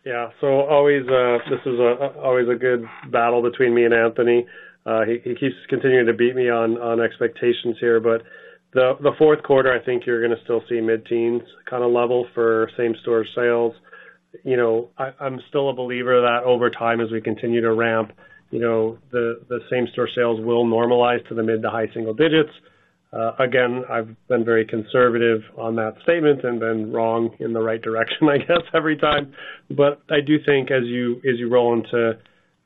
Yeah. So always, this is a always a good battle between me and Anthony. He keeps continuing to beat me on expectations here. But the fourth quarter, I think you're gonna still see mid-teens kind of level for same-store sales. You know, I'm still a believer that over time, as we continue to ramp, you know, the same-store sales will normalize to the mid- to high single digits. Again, I've been very conservative on that statement and been wrong in the right direction, I guess, every time. But I do think as you roll into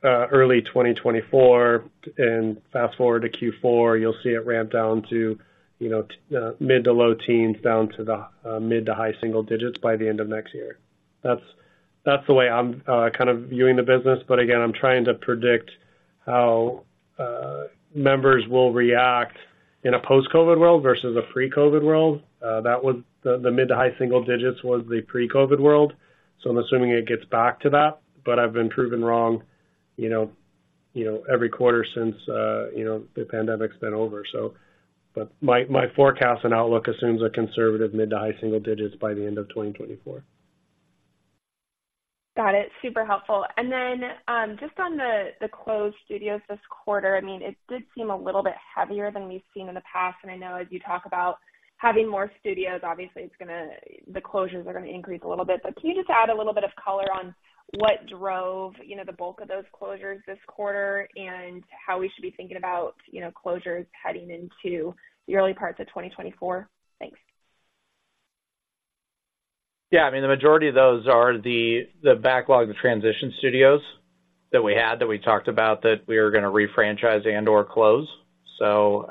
early 2024 and fast forward to Q4, you'll see it ramp down to, you know, mid- to low teens, down to the mid- to high single digits by the end of next year. That's the way I'm kind of viewing the business. But again, I'm trying to predict how members will react in a post-COVID world versus a pre-COVID world. That was the mid- to high-single digits was the pre-COVID world, so I'm assuming it gets back to that. But I've been proven wrong, you know, every quarter since the pandemic's been over. So, but my forecast and outlook assumes a conservative mid- to high-single digits by the end of 2024. Got it. Super helpful. Then, just on the closed studios this quarter, I mean, it did seem a little bit heavier than we've seen in the past, and I know as you talk about having more studios, obviously it's gonna, the closures are gonna increase a little bit. But can you just add a little bit of color on what drove, you know, the bulk of those closures this quarter, and how we should be thinking about, you know, closures heading into the early parts of 2024? Thanks. Yeah. I mean, the majority of those are the backlog of transition studios that we had, that we talked about, that we were gonna refranchise and/or close. So,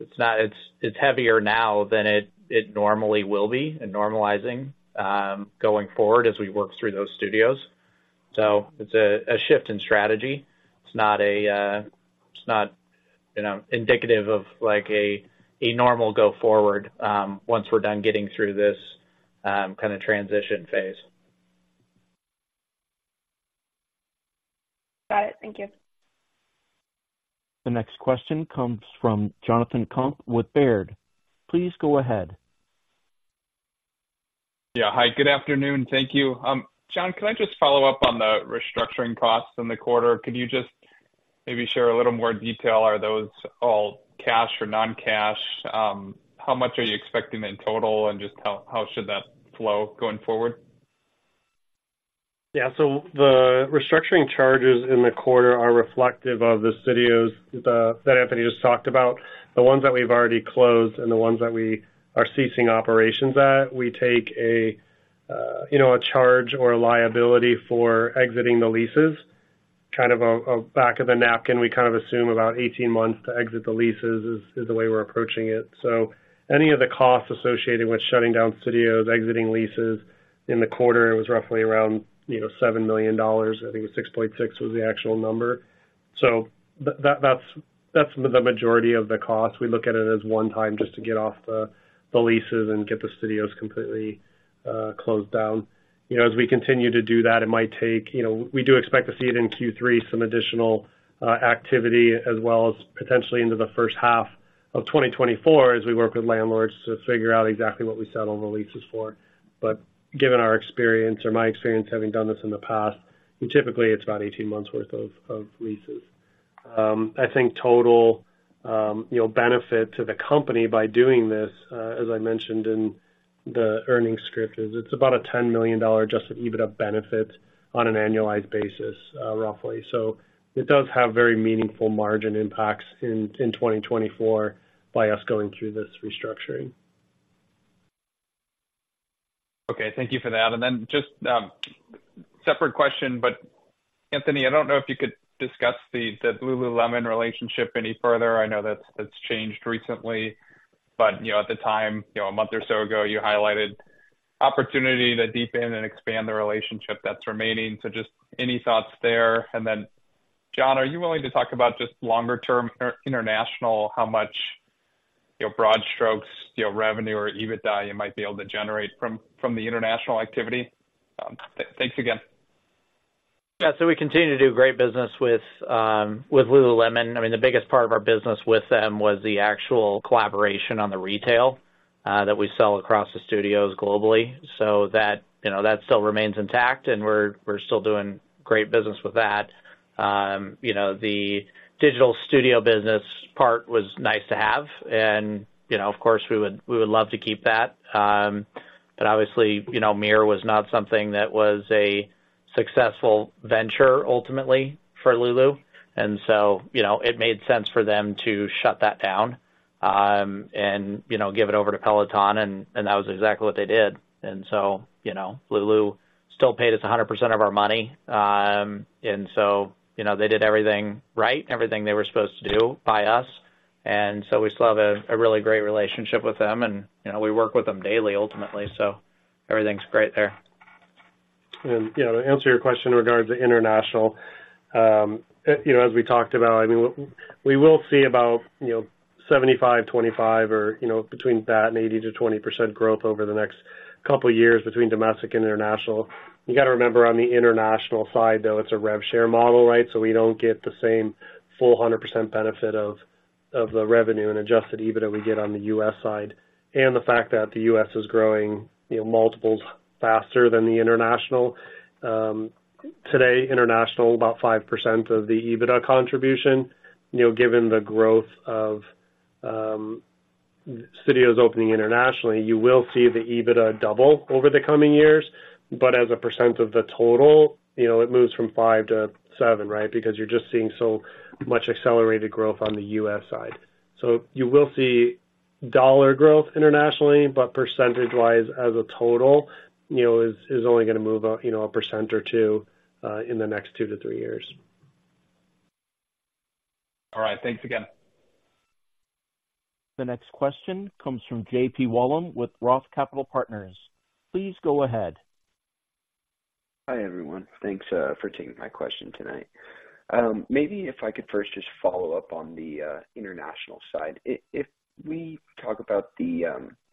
it's not. It's heavier now than it normally will be in normalizing, going forward as we work through those studios. So it's a shift in strategy. It's not, you know, indicative of like a normal go forward, once we're done getting through this kind of transition phase. Got it. Thank you. The next question comes from Jonathan Komp with Baird. Please go ahead. Yeah. Hi, good afternoon. Thank you. John, can I just follow up on the restructuring costs in the quarter? Could you just maybe share a little more detail? Are those all cash or non-cash? How much are you expecting in total, and just how, how should that flow going forward?... Yeah, so the restructuring charges in the quarter are reflective of the studios, the that Anthony just talked about, the ones that we've already closed and the ones that we are ceasing operations at. We take a, you know, a charge or a liability for exiting the leases. Kind of a back of the napkin. We kind of assume about 18 months to exit the leases is the way we're approaching it. So any of the costs associated with shutting down studios, exiting leases in the quarter, it was roughly around, you know, $7 million. I think it was $6.6 million was the actual number. So but that, that's the majority of the costs. We look at it as one time just to get off the leases and get the studios completely closed down. You know, as we continue to do that, it might take-- you know, we do expect to see it in Q3, some additional activity, as well as potentially into the first half of 2024, as we work with landlords to figure out exactly what we settle the leases for. But given our experience or my experience, having done this in the past, typically it's about 18 months worth of leases. I think total, you know, benefit to the company by doing this, as I mentioned in the earnings script, is it's about a $10 million Adjusted EBITDA benefit on an annualized basis, roughly. So it does have very meaningful margin impacts in 2024 by us going through this restructuring. Okay. Thank you for that. And then just, separate question, but Anthony, I don't know if you could discuss the, the Lululemon relationship any further. I know that's, that's changed recently, but, you know, at the time, you know, a month or so ago, you highlighted opportunity to deepen and expand the relationship that's remaining. So just any thoughts there? And then, John, are you willing to talk about just longer term inter-international, how much, you know, broad strokes, you know, revenue or EBITDA you might be able to generate from, from the international activity? Thanks again. Yeah. So we continue to do great business with Lululemon. I mean, the biggest part of our business with them was the actual collaboration on the retail that we sell across the studios globally. So that, you know, that still remains intact, and we're still doing great business with that. You know, the digital studio business part was nice to have, and, you know, of course, we would love to keep that. But obviously, you know, Mirror was not something that was a successful venture ultimately for Lulu. And so, you know, it made sense for them to shut that down, and, you know, give it over to Peloton, and that was exactly what they did. And so, you know, Lulu still paid us 100% of our money. And so, you know, they did everything right, everything they were supposed to do by us, and so we still have a really great relationship with them, and, you know, we work with them daily, ultimately, so everything's great there. You know, to answer your question in regards to international, you know, as we talked about, I mean, we will see about, you know, 75-25 or, you know, between that and 80-20% growth over the next couple of years between domestic and international. You got to remember, on the international side, though, it's a rev share model, right? So we don't get the same full 100% benefit of the revenue and adjusted EBITDA we get on the U.S. side. And the fact that the U.S. is growing, you know, multiples faster than the international. Today, international, about 5% of the EBITDA contribution. You know, given the growth of studios opening internationally, you will see the EBITDA double over the coming years, but as a percent of the total, you know, it moves from five to seven, right? Because you're just seeing so much accelerated growth on the U.S. side. So you will see dollar growth internationally, but percentage-wise, as a total, you know, is only gonna move, you know, 1%-2%, in the next two to three years. All right. Thanks again. The next question comes from J.P. Wollam with Roth Capital Partners. Please go ahead. Hi, everyone. Thanks for taking my question tonight. Maybe if I could first just follow up on the international side. If we talk about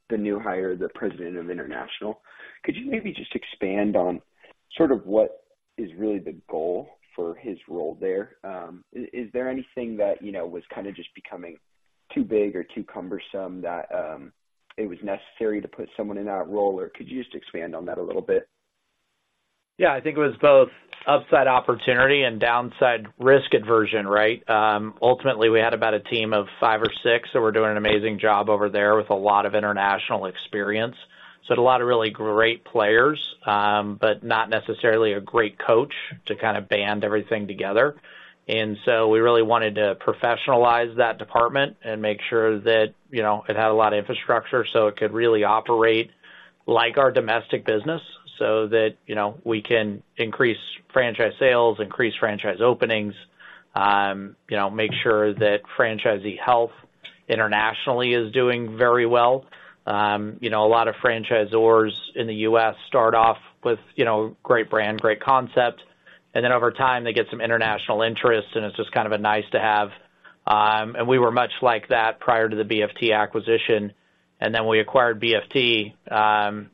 the new hire, the President of International, could you maybe just expand on sort of what is really the goal for his role there? Is there anything that, you know, was kind of just becoming too big or too cumbersome that it was necessary to put someone in that role? Or could you just expand on that a little bit? Yeah, I think it was both upside opportunity and downside risk aversion, right? Ultimately, we had about a team of five or six, so we're doing an amazing job over there with a lot of international experience. So a lot of really great players, but not necessarily a great coach to kind of band everything together. And so we really wanted to professionalize that department and make sure that, you know, it had a lot of infrastructure so it could really operate like our domestic business, so that, you know, we can increase franchise sales, increase franchise openings, you know, make sure that franchisee health internationally is doing very well. You know, a lot of franchisors in the U.S. start off with, you know, great brand, great concept, and then over time, they get some international interest, and it's just kind of a nice to have. And we were much like that prior to the BFT acquisition. And then we acquired BFT,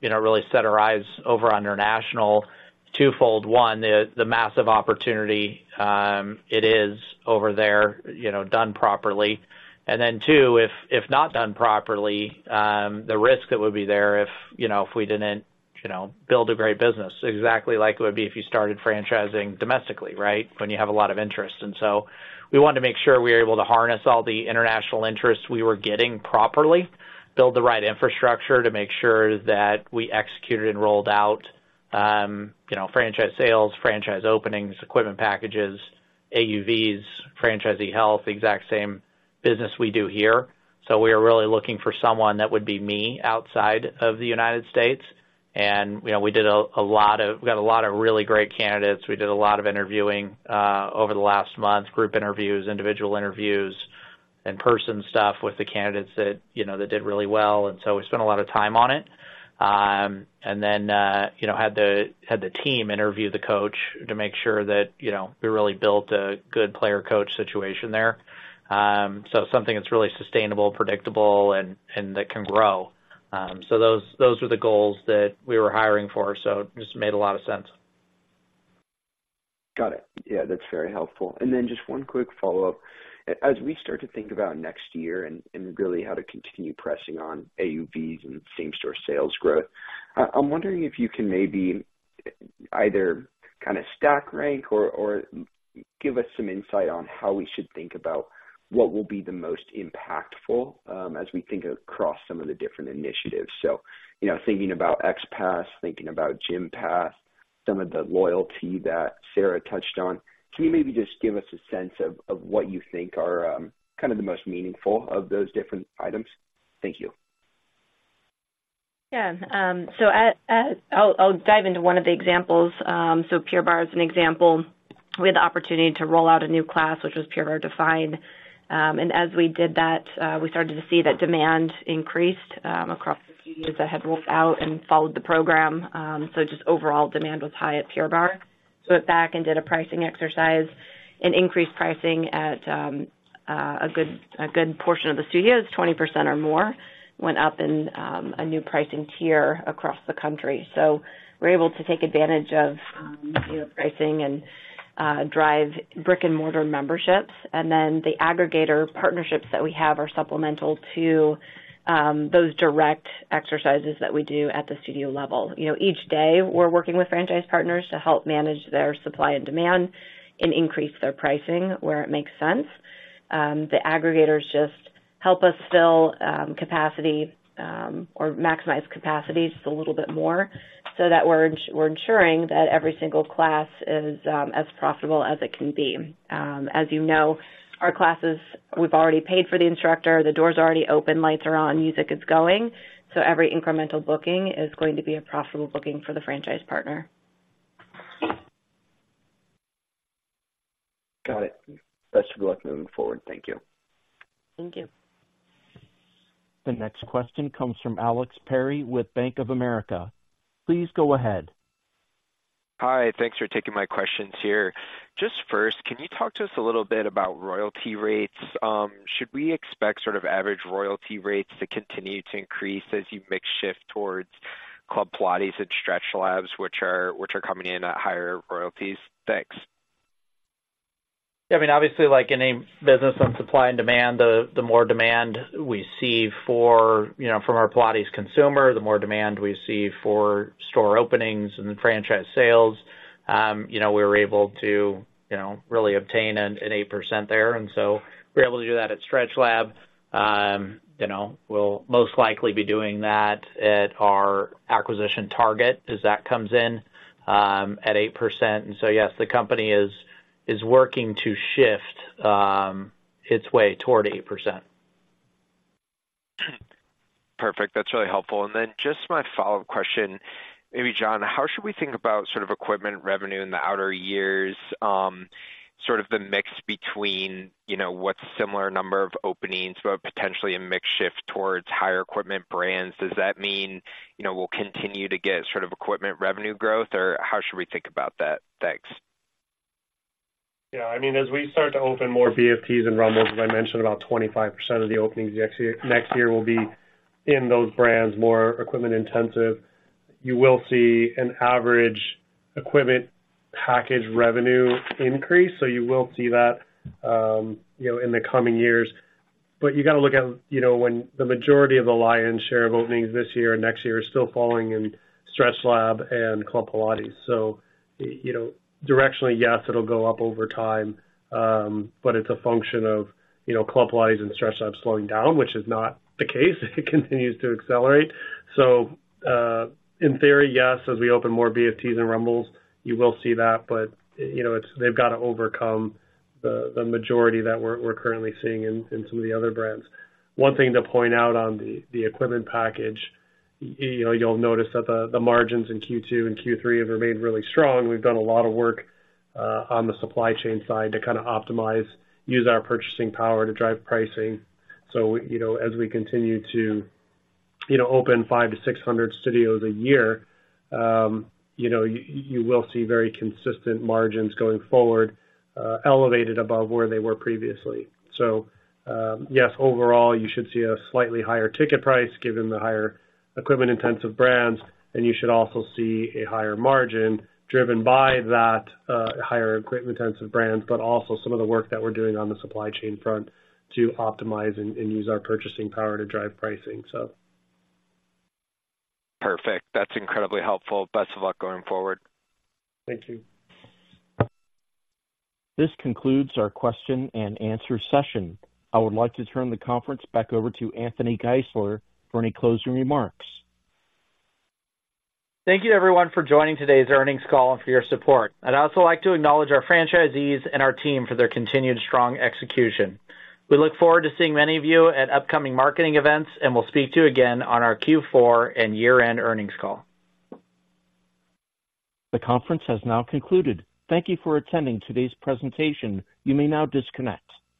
you know, really set our eyes over on international twofold. One, the massive opportunity, it is over there, you know, done properly. And then two, if not done properly, the risk that would be there if, you know, if we didn't, you know, build a great business, exactly like it would be if you started franchising domestically, right? When you have a lot of interest. And so we wanted to make sure we were able to harness all the international interests we were getting properly, build the right infrastructure to make sure that we executed and rolled out, you know, franchise sales, franchise openings, equipment packages... AUVs, franchisee health, the exact same business we do here. So we are really looking for someone that would be me outside of the United States. And, you know, we got a lot of really great candidates. We did a lot of interviewing over the last month, group interviews, individual interviews, in-person stuff with the candidates that, you know, that did really well. And so we spent a lot of time on it. And then, you know, had the team interview the coach to make sure that, you know, we really built a good player-coach situation there. So something that's really sustainable, predictable, and that can grow. So those were the goals that we were hiring for. So it just made a lot of sense. Got it. Yeah, that's very helpful. And then just one quick follow-up. As we start to think about next year and really how to continue pressing on AUVs and same-store sales growth, I'm wondering if you can maybe either kind of stack, rank, or give us some insight on how we should think about what will be the most impactful, as we think across some of the different initiatives. So, you know, thinking about XPASS, thinking about Gympass, some of the loyalty that Sarah touched on. Can you maybe just give us a sense of what you think are kind of the most meaningful of those different items? Thank you. Yeah. So I'll dive into one of the examples. So Pure Barre is an example. We had the opportunity to roll out a new class, which was Pure Barre Define. And as we did that, we started to see that demand increased across the studios that had rolled out and followed the program. So just overall demand was high at Pure Barre. So went back and did a pricing exercise and increased pricing at a good portion of the studios, 20% or more, went up in a new pricing tier across the country. So we're able to take advantage of, you know, pricing and drive brick-and-mortar memberships. And then the aggregator partnerships that we have are supplemental to those direct exercises that we do at the studio level. You know, each day, we're working with franchise partners to help manage their supply and demand and increase their pricing where it makes sense. The aggregators just help us fill capacity or maximize capacity just a little bit more so that we're ensuring that every single class is as profitable as it can be. As you know, our classes, we've already paid for the instructor, the doors are already open, lights are on, music is going, so every incremental booking is going to be a profitable booking for the franchise partner. Got it. Best of luck moving forward. Thank you. Thank you. The next question comes from Alex Perry with Bank of America. Please go ahead. Hi, thanks for taking my questions here. Just first, can you talk to us a little bit about royalty rates? Should we expect sort of average royalty rates to continue to increase as you make shift towards Club Pilates and StretchLab, which are coming in at higher royalties? Thanks. Yeah, I mean, obviously, like any business on supply and demand, the more demand we see for, you know, from our Pilates consumer, the more demand we see for store openings and franchise sales. You know, we were able to, you know, really obtain an 8% there, and so we're able to do that at StretchLab. You know, we'll most likely be doing that at our acquisition target as that comes in at 8%. And so, yes, the company is working to shift its way toward 8%. Perfect. That's really helpful. And then just my follow-up question, maybe, John, how should we think about sort of equipment revenue in the outer years, sort of the mix between, you know, what's similar number of openings, but potentially a mix shift towards higher equipment brands? Does that mean, you know, we'll continue to get sort of equipment revenue growth, or how should we think about that? Thanks. Yeah, I mean, as we start to open more BFTs and Rumbles, as I mentioned, about 25% of the openings next year, next year will be in those brands, more equipment intensive. You will see an average equipment package revenue increase, so you will see that, you know, in the coming years. But you got to look at, you know, when the majority of the lion's share of openings this year and next year are still falling in StretchLab and Club Pilates. So, you know, directionally, yes, it'll go up over time, but it's a function of, you know, Club Pilates and StretchLab slowing down, which is not the case. It continues to accelerate. So, in theory, yes, as we open more BFTs and Rumbles, you will see that, but, you know, it's—they've got to overcome the majority that we're currently seeing in some of the other brands. One thing to point out on the equipment package, you know, you'll notice that the margins in Q2 and Q3 have remained really strong. We've done a lot of work on the supply chain side to kind of optimize, use our purchasing power to drive pricing. So, you know, as we continue to, you know, open 500-600 studios a year, you know, you will see very consistent margins going forward, elevated above where they were previously. So, yes, overall, you should see a slightly higher ticket price given the higher equipment-intensive brands, and you should also see a higher margin driven by that, higher equipment-intensive brands, but also some of the work that we're doing on the supply chain front to optimize and use our purchasing power to drive pricing, so. Perfect. That's incredibly helpful. Best of luck going forward. Thank you. This concludes our question and answer session. I would like to turn the conference back over to Anthony Geisler for any closing remarks. Thank you, everyone, for joining today's earnings call and for your support. I'd also like to acknowledge our franchisees and our team for their continued strong execution. We look forward to seeing many of you at upcoming marketing events, and we'll speak to you again on our Q4 and year-end earnings call. The conference has now concluded. Thank you for attending today's presentation. You may now disconnect.